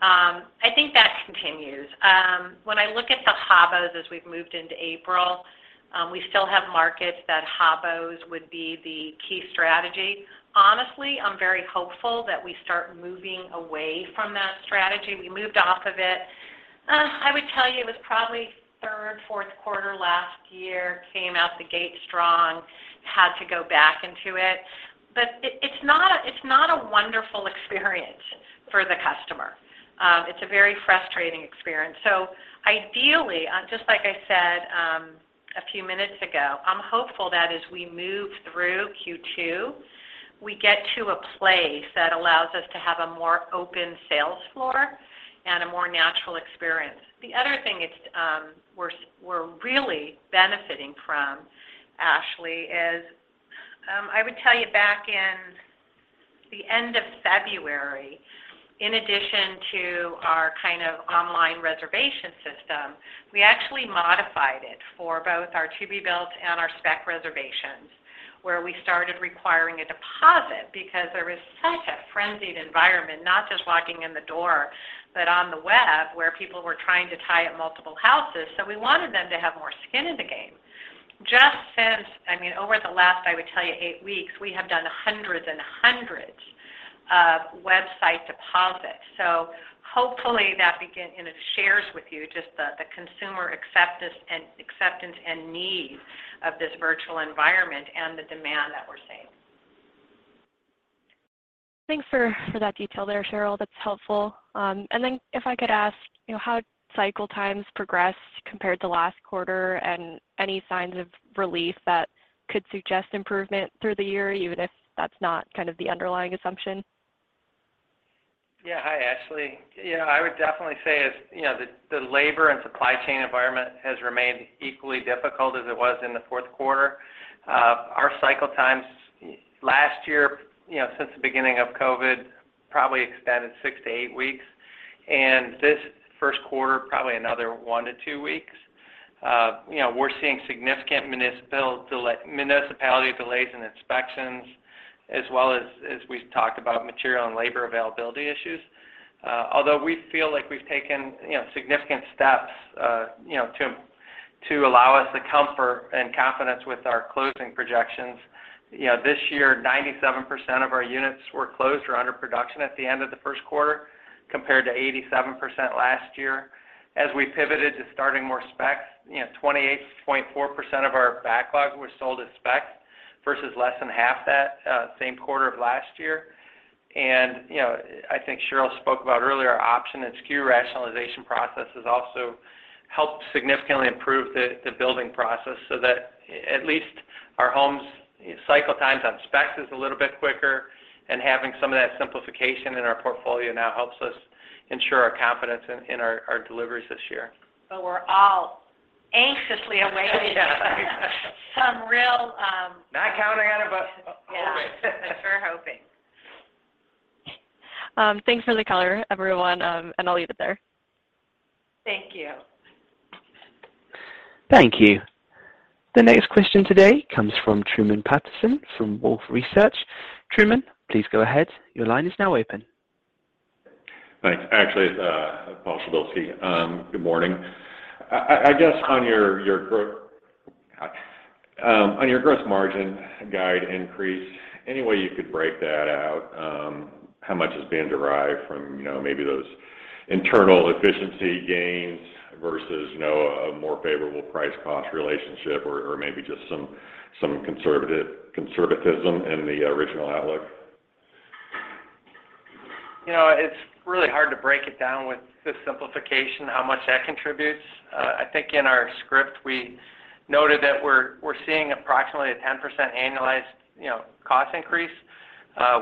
I think that continues. When I look at the HOBOs as we've moved into April, we still have markets that HOBOs would be the key strategy. Honestly, I'm very hopeful that we start moving away from that strategy. We moved off of it. I would tell you it was probably third, fourth quarter last year, came out the gate strong, had to go back into it. It's not a wonderful experience for the customer. It's a very frustrating experience. Ideally, just like I said a few minutes ago, I'm hopeful that as we move through Q2, we get to a place that allows us to have a more open sales floor and a more natural experience. The other thing we're really benefiting from, Ashley, is I would tell you back in the end of February, in addition to our kind of online reservation system, we actually modified it for both our to-be-built and our spec reservations, where we started requiring a deposit because there was such a frenzied environment, not just walking in the door, but on the web, where people were trying to tie up multiple houses. We wanted them to have more skin in the game. Just since, I mean, over the last, I would tell you, eight weeks, we have done hundreds and hundreds of website deposits. Hopefully it shares with you just the consumer acceptance and need of this virtual environment and the demand that we're seeing. Thanks for that detail there, Sheryl. That's helpful. If I could ask, you know, how cycle times progressed compared to last quarter and any signs of relief that could suggest improvement through the year, even if that's not kind of the underlying assumption? Yeah. Hi, Ashley. Yeah, I would definitely say it is, you know, the labor and supply chain environment has remained equally difficult as it was in the fourth quarter. Our cycle times last year, you know, since the beginning of COVID, probably extended six-eighgt weeks. This first quarter, probably another one-two weeks. You know, we're seeing significant municipality delays in inspections, as well as we've talked about material and labor availability issues. Although we feel like we've taken, you know, significant steps, you know, to allow us the comfort and confidence with our closing projections. You know, this year, 97% of our units were closed or under production at the end of the first quarter, compared to 87% last year. As we pivoted to starting more specs, you know, 28.4% of our backlog was sold as specs versus less than half that, same quarter of last year. You know, I think Sheryl spoke about earlier, our option and SKU rationalization process has also helped significantly improve the building process so that at least our homes cycle times on specs is a little bit quicker and having some of that simplification in our portfolio now helps us ensure our confidence in our deliveries this year. We're all anxiously awaiting. Some real, um... Not counting on it, but hoping. Yeah. Sure hoping. Thanks for the color, everyone, and I'll leave it there. Thank you. Thank you. The next question today comes from Truman Patterson from Wolfe Research. Truman, please go ahead. Your line is now open. Thanks. Actually, it's Paul Przybylski. Good morning. I guess on your gross margin guide increase, any way you could break that out, how much is being derived from, you know, maybe those internal efficiency gains versus, you know, a more favorable price cost relationship or maybe just some conservatism in the original outlook? You know, it's really hard to break it down with the simplification, how much that contributes. I think in our script, we noted that we're seeing approximately a 10% annualized, you know, cost increase,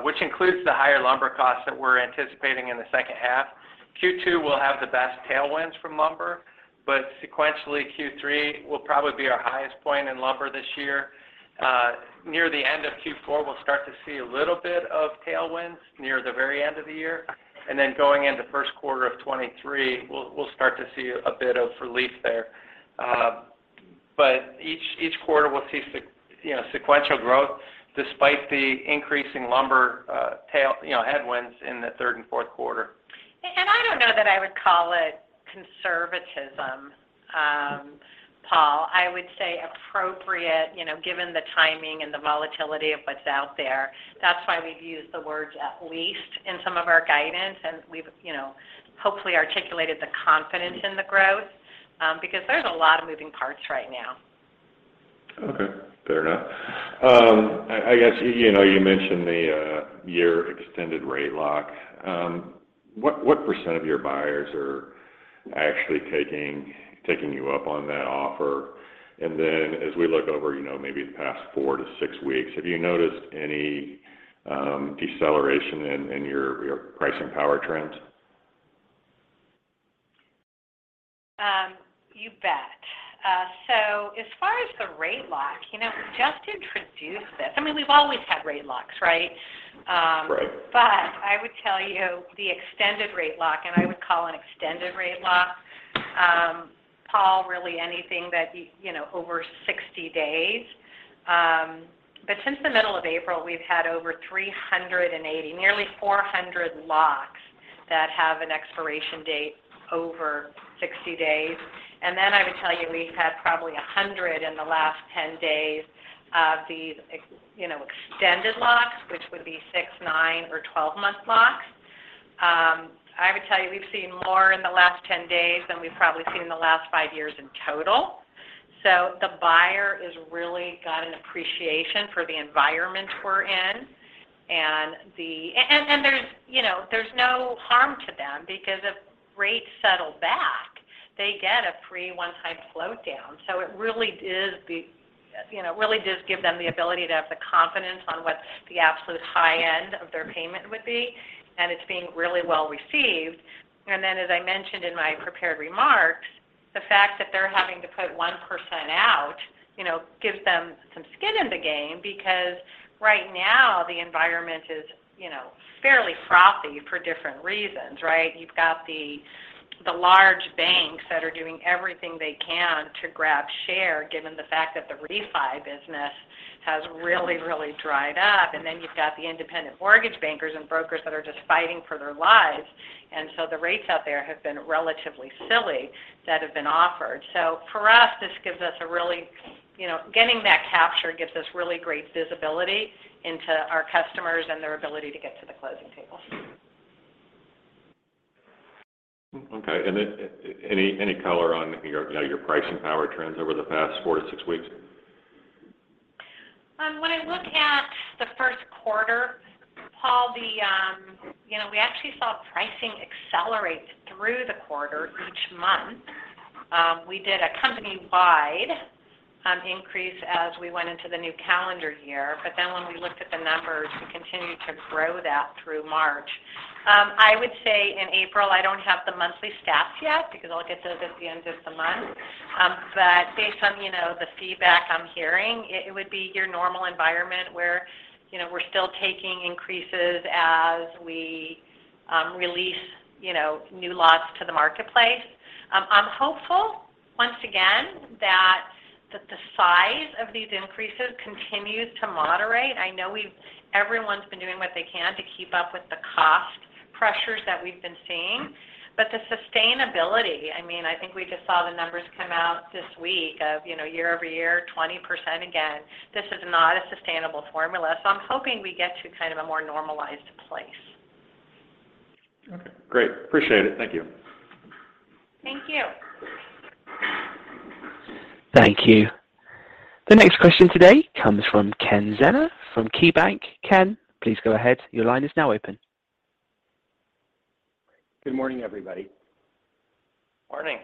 which includes the higher lumber costs that we're anticipating in the second half. Q2 will have the best tailwinds from lumber, but sequentially, Q3 will probably be our highest point in lumber this year. Near the end of Q4, we'll start to see a little bit of tailwinds near the very end of the year. Going into first quarter of 2023, we'll start to see a bit of relief there. Each quarter we'll see sequential growth despite the increasing lumber headwinds in the third and fourth quarter. I don't know that I would call it conservatism, Paul. I would say appropriate, you know, given the timing and the volatility of what's out there. That's why we've used the words at least in some of our guidance, and we've, you know, hopefully articulated the confidence in the growth, because there's a lot of moving parts right now. Okay. Fair enough. I guess, you know, you mentioned the year extended rate lock. What percent of your buyers are actually taking you up on that offer? Then as we look over, you know, maybe the past four-six weeks, have you noticed any deceleration in your pricing power trends? You bet. As far as the rate lock, you know, we just introduced this. I mean, we've always had rate locks, right? Right. I would tell you the extended rate lock, and I would call an extended rate lock, Paul, really anything that you know over 60 days. Since the middle of April, we've had over 380, nearly 400 locks that have an expiration date over 60 days. Then I would tell you, we've had probably 100 in the last 10 days of these you know, extended locks, which would be six, nine or 12-month locks. I would tell you, we've seen more in the last 10 days than we've probably seen in the last five years in total. The buyer is really got an appreciation for the environment we're in and there's, you know, there's no harm to them because if rates settle back, they get a free one-time float down. It really is the, you know, really does give them the ability to have the confidence on what the absolute high end of their payment would be, and it's being really well received. As I mentioned in my prepared remarks, the fact that they're having to put 1% out, you know, gives them some skin in the game because right now the environment is, you know, fairly frothy for different reasons, right? You've got the large banks that are doing everything they can to grab share, given the fact that the refi business has really, really dried up. You've got the independent mortgage bankers and brokers that are just fighting for their lives. The rates out there have been relatively silly that have been offered. For us, this gives us a really, you know, getting that capture gives us really great visibility into our customers and their ability to get to the closing table. Okay. Any color on your, you know, your pricing power trends over the past four-six weeks? When I look at the first quarter, Paul, you know, we actually saw pricing accelerate through the quarter each month. We did a company-wide increase as we went into the new calendar year. When we looked at the numbers, we continued to grow that through March. I would say in April, I don't have the monthly stats yet because I'll get those at the end of the month. Based on, you know, the feedback I'm hearing, it would be your normal environment where, you know, we're still taking increases as we release, you know, new lots to the marketplace. I'm hopeful once again that the size of these increases continues to moderate. I know everyone's been doing what they can to keep up with the cost pressures that we've been seeing. The sustainability, I mean, I think we just saw the numbers come out this week of, you know, year-over-year 20% again. This is not a sustainable formula, so I'm hoping we get to kind of a more normalized place. Okay. Great. Appreciate it. Thank you. Thank you. Thank you. The next question today comes from Ken Zener from KeyBanc Capital Markets. Ken, please go ahead. Your line is now open. Good morning, everybody. Morning.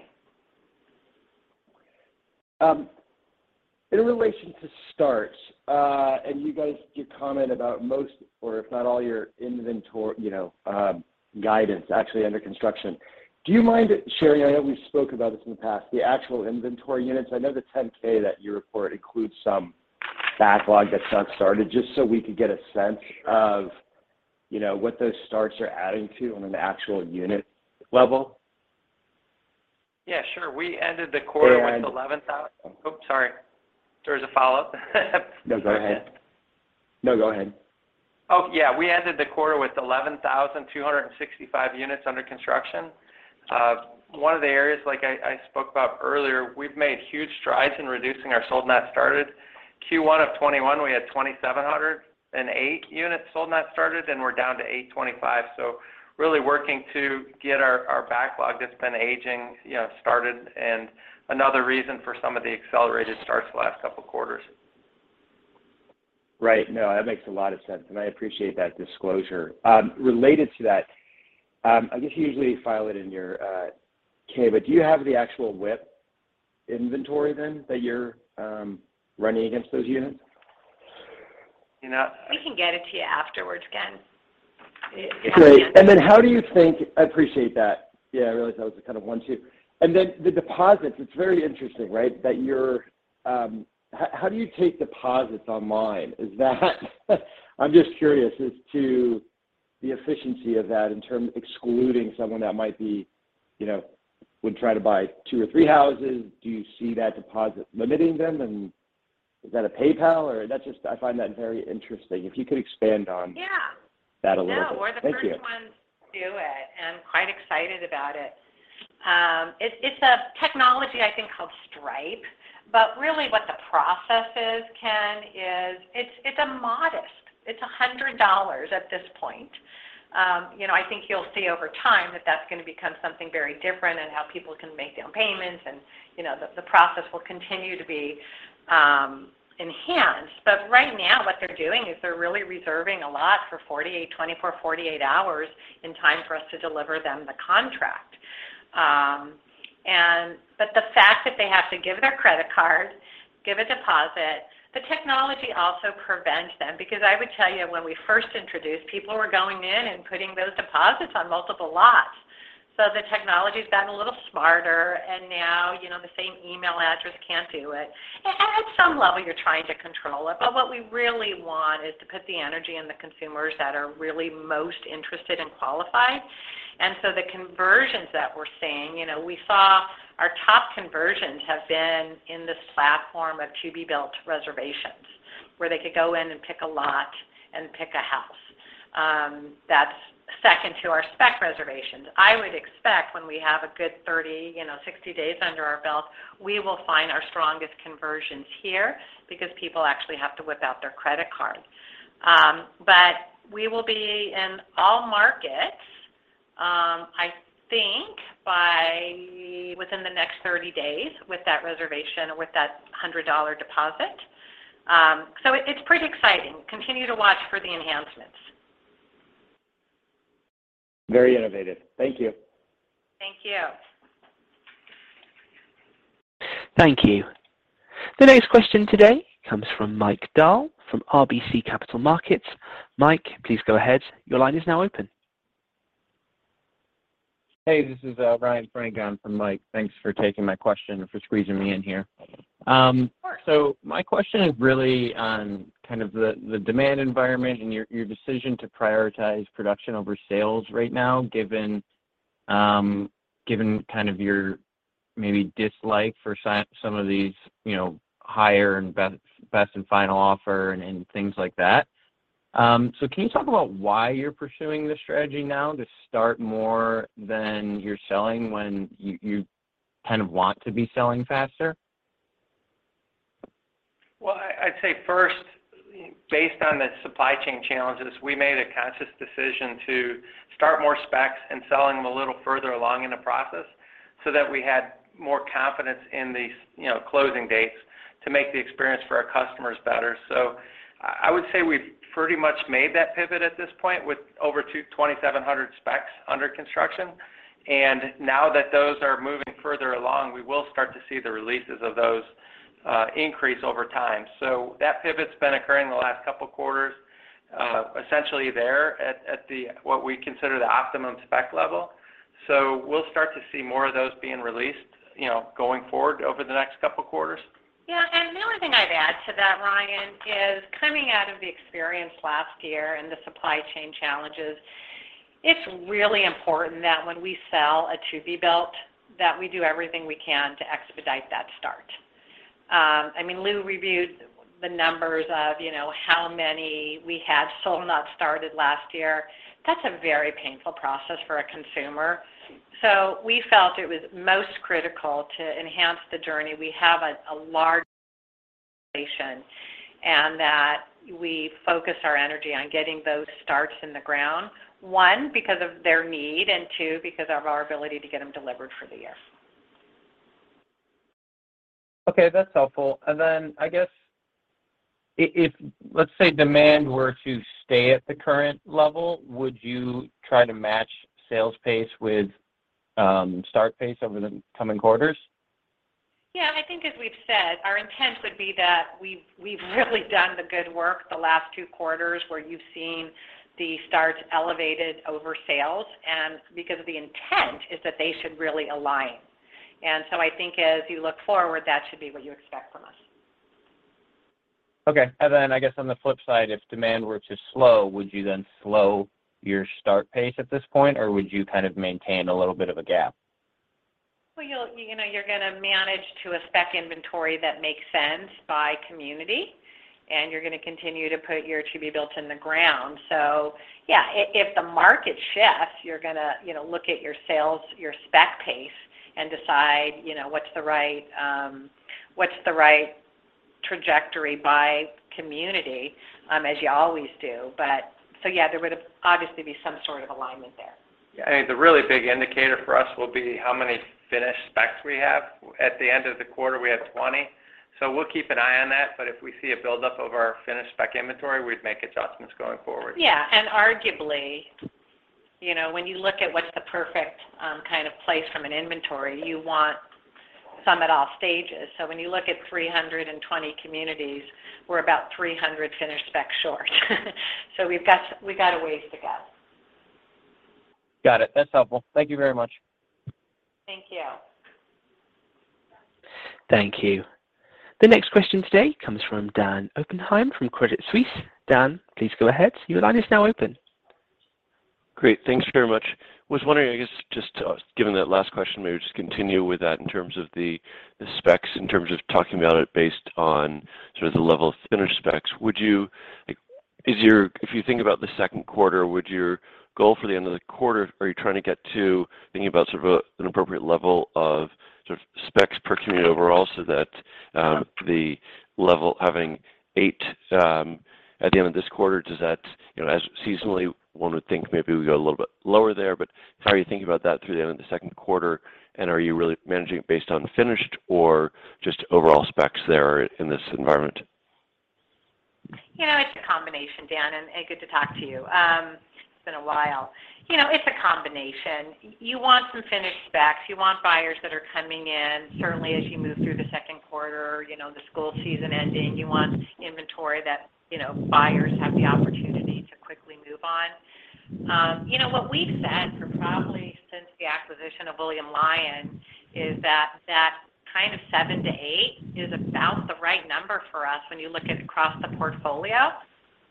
In relation to starts, you guys did comment about most or if not all your inventory, you know, guidance actually under construction. Do you mind sharing? I know we've spoke about this in the past, the actual inventory units. I know the 10-K that you report includes some backlog that's not started, just so we could get a sense of, you know, what those starts are adding to on an actual unit level. Yeah, sure. We ended the quarter... And... Oh, sorry. There was a follow-up. No, go ahead. Oh, yeah, we ended the quarter with 11,265 units under construction. One of the areas, like I spoke about earlier, we've made huge strides in reducing our sold not started. Q1 of 2021, we had 2,708 units sold not started, and we're down to 825. Really working to get our backlog that's been aging, you know, started and another reason for some of the accelerated starts the last couple quarters. Right. No, that makes a lot of sense, and I appreciate that disclosure. Related to that, I guess you usually file it in your K, but do you have the actual WIP inventory then that you're running against those units? You know- We can get it to you afterward, Ken. Great. I appreciate that. Yeah, I realize that was a kind of one-two. The deposits, it's very interesting, right? That you're how do you take deposits online? Is that, I'm just curious as to the efficiency of that excluding someone that might be, you know, would try to buy two or three houses. Do you see that deposit limiting them, and is that a PayPal or that's just- I find that very interesting. If you could expand on... Yeah. ...that a little bit- thank you. We're the first ones to do it, and I'm quite excited about it. It's a technology I think called Stripe, but really what the process is, Ken, is it's a modest $100 at this point. You know, I think you'll see over time that that's gonna become something very different and how people can make down payments and, you know, the process will continue to be enhanced. Right now, what they're doing is they're really reserving a lot for 24- 48 hours in time for us to deliver them the contract. The fact that they have to give their credit card, give a deposit, the technology also prevents them because I would tell you when we first introduced, people were going in and putting those deposits on multiple lots. The technology's gotten a little smarter, and now, you know, the same email address can't do it. At some level, you're trying to control it, but what we really want is to put the energy in the consumers that are really most interested and qualified. The conversions that we're seeing, you know, we saw our top conversions have been in this platform of to-be-built reservations, where they could go in and pick a lot and pick a house. That's second to our spec reservations. I would expect when we have a good 30, you know, 60 days under our belt, we will find our strongest conversions here because people actually have to whip out their credit cards. We will be in all markets. I think by within the next 30 days with that reservation, with that $100 deposit. It's pretty exciting. Continue to watch for the enhancements. Very innovative. Thank you. Thank you. Thank you. The next question today comes from Mike Dahl from RBC Capital Markets. Mike, please go ahead. Your line is now open. Hey, this is Ryan Frank on for Mike. Thanks for taking my question and for squeezing me in here. Of course. My question is really on kind of the demand environment and your decision to prioritize production over sales right now, given kind of your maybe dislike for some of these, you know, highest and best and final offer and things like that. Can you talk about why you're pursuing this strategy now to start more than you're selling when you kind of want to be selling faster? Well, I'd say first, based on the supply chain challenges, we made a conscious decision to start more specs and selling them a little further along in the process so that we had more confidence in these, you know, closing dates to make the experience for our customers better. I would say we've pretty much made that pivot at this point with over 2,700 specs under construction. Now that those are moving further along, we will start to see the releases of those increase over time. That pivot's been occurring the last couple of quarters, essentially there at what we consider the optimum spec level. We'll start to see more of those being released, you know, going forward over the next couple of quarters. Yeah. The only thing I'd add to that, Ryan, is coming out of the experience last year and the supply chain challenges, it's really important that when we sell a to be built, that we do everything we can to expedite that start. I mean, Lou reviewed the numbers of, you know, how many we had sold not started last year. That's a very painful process for a consumer. We felt it was most critical to enhance the journey. We have a large selection, and that we focus our energy on getting those starts in the ground, one, because of their need, and two, because of our ability to get them delivered for the year. Okay, that's helpful. I guess if, let's say, demand were to stay at the current level, would you try to match sales pace with start pace over the coming quarters? Yeah, I think as we've said, our intent would be that we've really done the good work the last two quarters where you've seen the starts elevated over sales, and because of the intent is that they should really align. I think as you look forward, that should be what you expect from us. Okay. I guess on the flip side, if demand were to slow, would you then slow your start pace at this point, or would you kind of maintain a little bit of a gap? Well, you'll, you know, you're going to manage to a spec inventory that makes sense by community, and you're going to continue to put your to be built in the ground. Yeah, if the market shifts, you're gonna, you know, look at your sales, your spec pace and decide, you know, what's the right trajectory by community, as you always do. Yeah, there would obviously be some sort of alignment there. I think the really big indicator for us will be how many finished specs we have. At the end of the quarter, we had 20. We'll keep an eye on that, but if we see a buildup of our finished spec inventory, we'd make adjustments going forward. Yeah. Arguably, you know, when you look at what's the perfect kind of place from an inventory, you want some at all stages. When you look at 320 communities, we're about 300 finished specs short. We've got a ways to go. Got it. That's helpful. Thank you very much. Thank you. Thank you. The next question today comes from Dan Oppenheim from Credit Suisse. Dan, please go ahead. Your line is now open. Great. Thanks very much. Was wondering, I guess just, given that last question, maybe just continue with that in terms of the specs, in terms of talking about it based on sort of the level of finished specs. If you think about the second quarter, would your goal for the end of the quarter, are you trying to get to thinking about sort of an appropriate level of sort of specs per community overall so that the level having eight at the end of this quarter, does that, you know, as seasonally one would think maybe we go a little bit lower there. How are you thinking about that through the end of the second quarter? And are you really managing it based on finished or just overall specs there in this environment? You know, it's a combination, Dan, and good to talk to you. It's been a while. You know, it's a combination. You want some finished specs. You want buyers that are coming in. Certainly as you move through the second quarter, you know, the school season ending, you want inventory that, you know, buyers have the opportunity to quickly move on. You know, what we've said for probably since the acquisition of William Lyon is that kind of seven-eight is about the right number for us when you look at across the portfolio.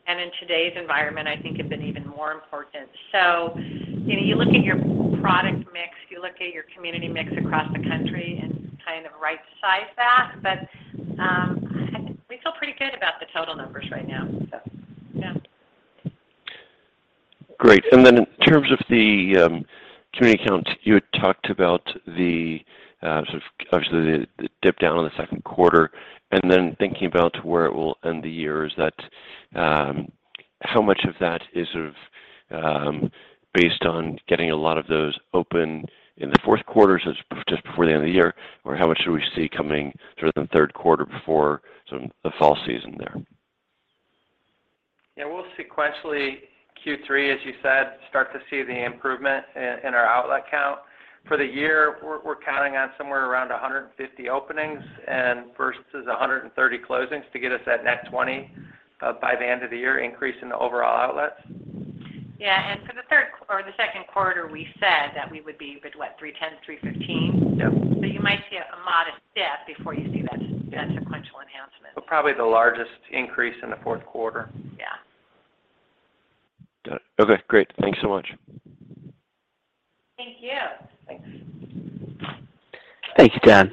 In today's environment, I think it's been even more important. You know, you look at your product mix, you look at your community mix across the country and kind of right-size that. But we feel pretty good about the total numbers right now. Yeah. Great. Then in terms of the community count, you had talked about the sort of obviously the dip down in the second quarter, and then thinking about where it will end the year, is that—How much of that is sort of based on getting a lot of those open in the fourth quarter so it's just before the end of the year? Or how much should we see coming through the third quarter before sort of the fall season there? Yeah. We'll sequentially Q3, as you said, start to see the improvement in our outlet count. For the year, we're counting on somewhere around $150 openings and versus $130 closings to get us that net 20% by the end of the year increase in the overall outlets. Yeah. For the third or the second quarter, we said that we would be with what? $310-$315. So you might see a modest dip before you see that sequential enhancement. Probably the largest increase in the fourth quarter. Yeah. Got it. Okay. Great. Thanks so much. Thank you. Thanks. Thank you, Dan.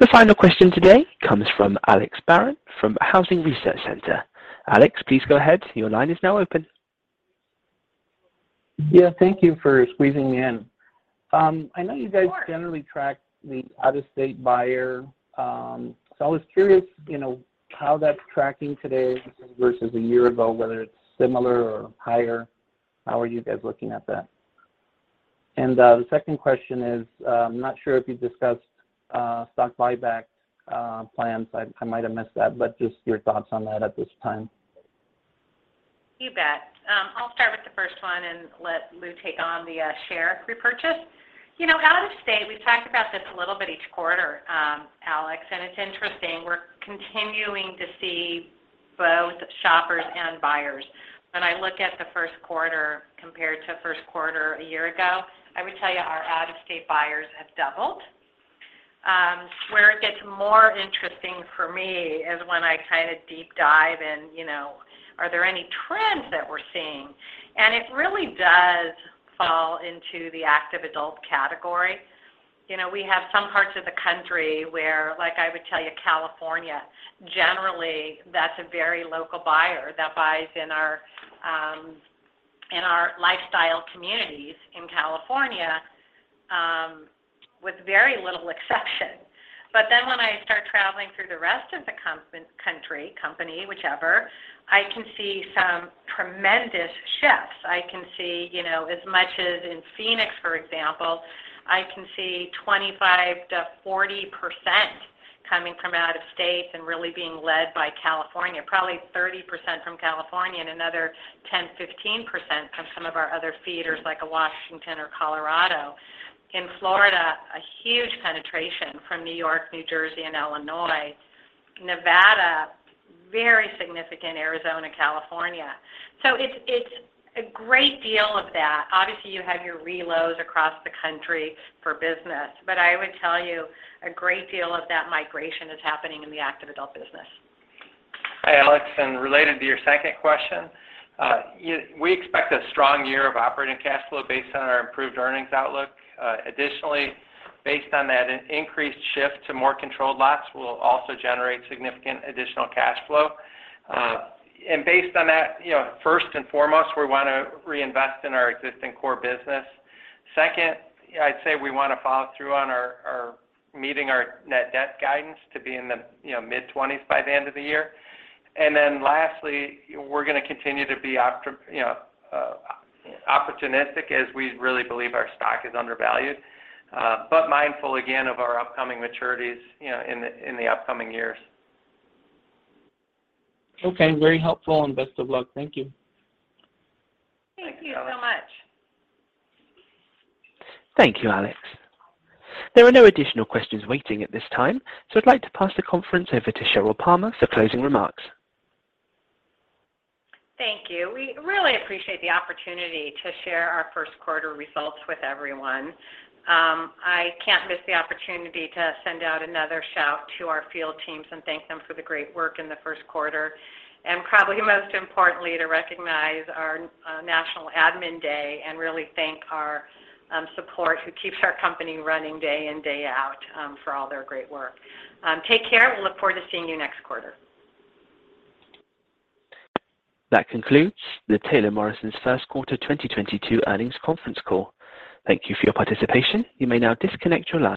The final question today comes from Alex Barron from Housing Research Center. Alex, please go ahead. Your line is now open. Yeah. Thank you for squeezing me in. I know you guys... Of course. ...generally track the out-of-state buyer. I was curious, you know, how that's tracking today versus a year ago, whether it's similar or higher. How are you guys looking at that? The second question is, I'm not sure if you've discussed stock buyback plans. I might have missed that, but just your thoughts on that at this time. You bet. I'll start with the first one and let Lou take on the share repurchase. You know, out of state, we've talked about this a little bit each quarter, Alex, and it's interesting. We're continuing to see both shoppers and buyers. When I look at the first quarter compared to first quarter a year ago, I would tell you our out-of-state buyers have doubled. Where it gets more interesting for me is when I kinda deep dive in, you know, are there any trends that we're seeing, and it really does fall into the active adult category. You know, we have some parts of the country where, like I would tell you, California, generally, that's a very local buyer that buys in our lifestyle communities in California, with very little exception. When I start traveling through the rest of the country, company, whichever, I can see some tremendous shifts. I can see, you know, as much as in Phoenix, for example, I can see 25%-40% coming from out of state and really being led by California, probably 30% from California and another 10%, 15% from some of our other feeders like Washington or Colorado. In Florida, a huge penetration from New York, New Jersey, and Illinois. Nevada, very significant, Arizona, California. So it's a great deal of that. Obviously, you have your reloads across the country for business. I would tell you a great deal of that migration is happening in the active adult business. Hi, Alex. Related to your second question, we expect a strong year of operating cash flow based on our improved earnings outlook. Additionally, based on that increased shift to more controlled lots will also generate significant additional cash flow. Based on that, you know, first and foremost, we wanna reinvest in our existing core business. Second, yeah, I'd say we wanna follow through on our meeting our net debt guidance to be in the, you know, mid-twenties by the end of the year. Then lastly, we're gonna continue to be opportunistic as we really believe our stock is undervalued, but mindful again of our upcoming maturities, you know, in the upcoming years. Okay. Very helpful, and best of luck. Thank you. Thank you so much. Thank you, Alex. There are no additional questions waiting at this time, so I'd like to pass the conference over to Sheryl Palmer for closing remarks. Thank you. We really appreciate the opportunity to share our first quarter results with everyone. I can't miss the opportunity to send out another shout to our field teams and thank them for the great work in the first quarter, and probably most importantly, to recognize our National Admin Day and really thank our support who keeps our company running day in- day out, for all their great work. Take care. We look forward to seeing you next quarter. That concludes Taylor Morrison's First Quarter 2022 Earnings Conference Call. Thank you for your participation. You may now disconnect your line.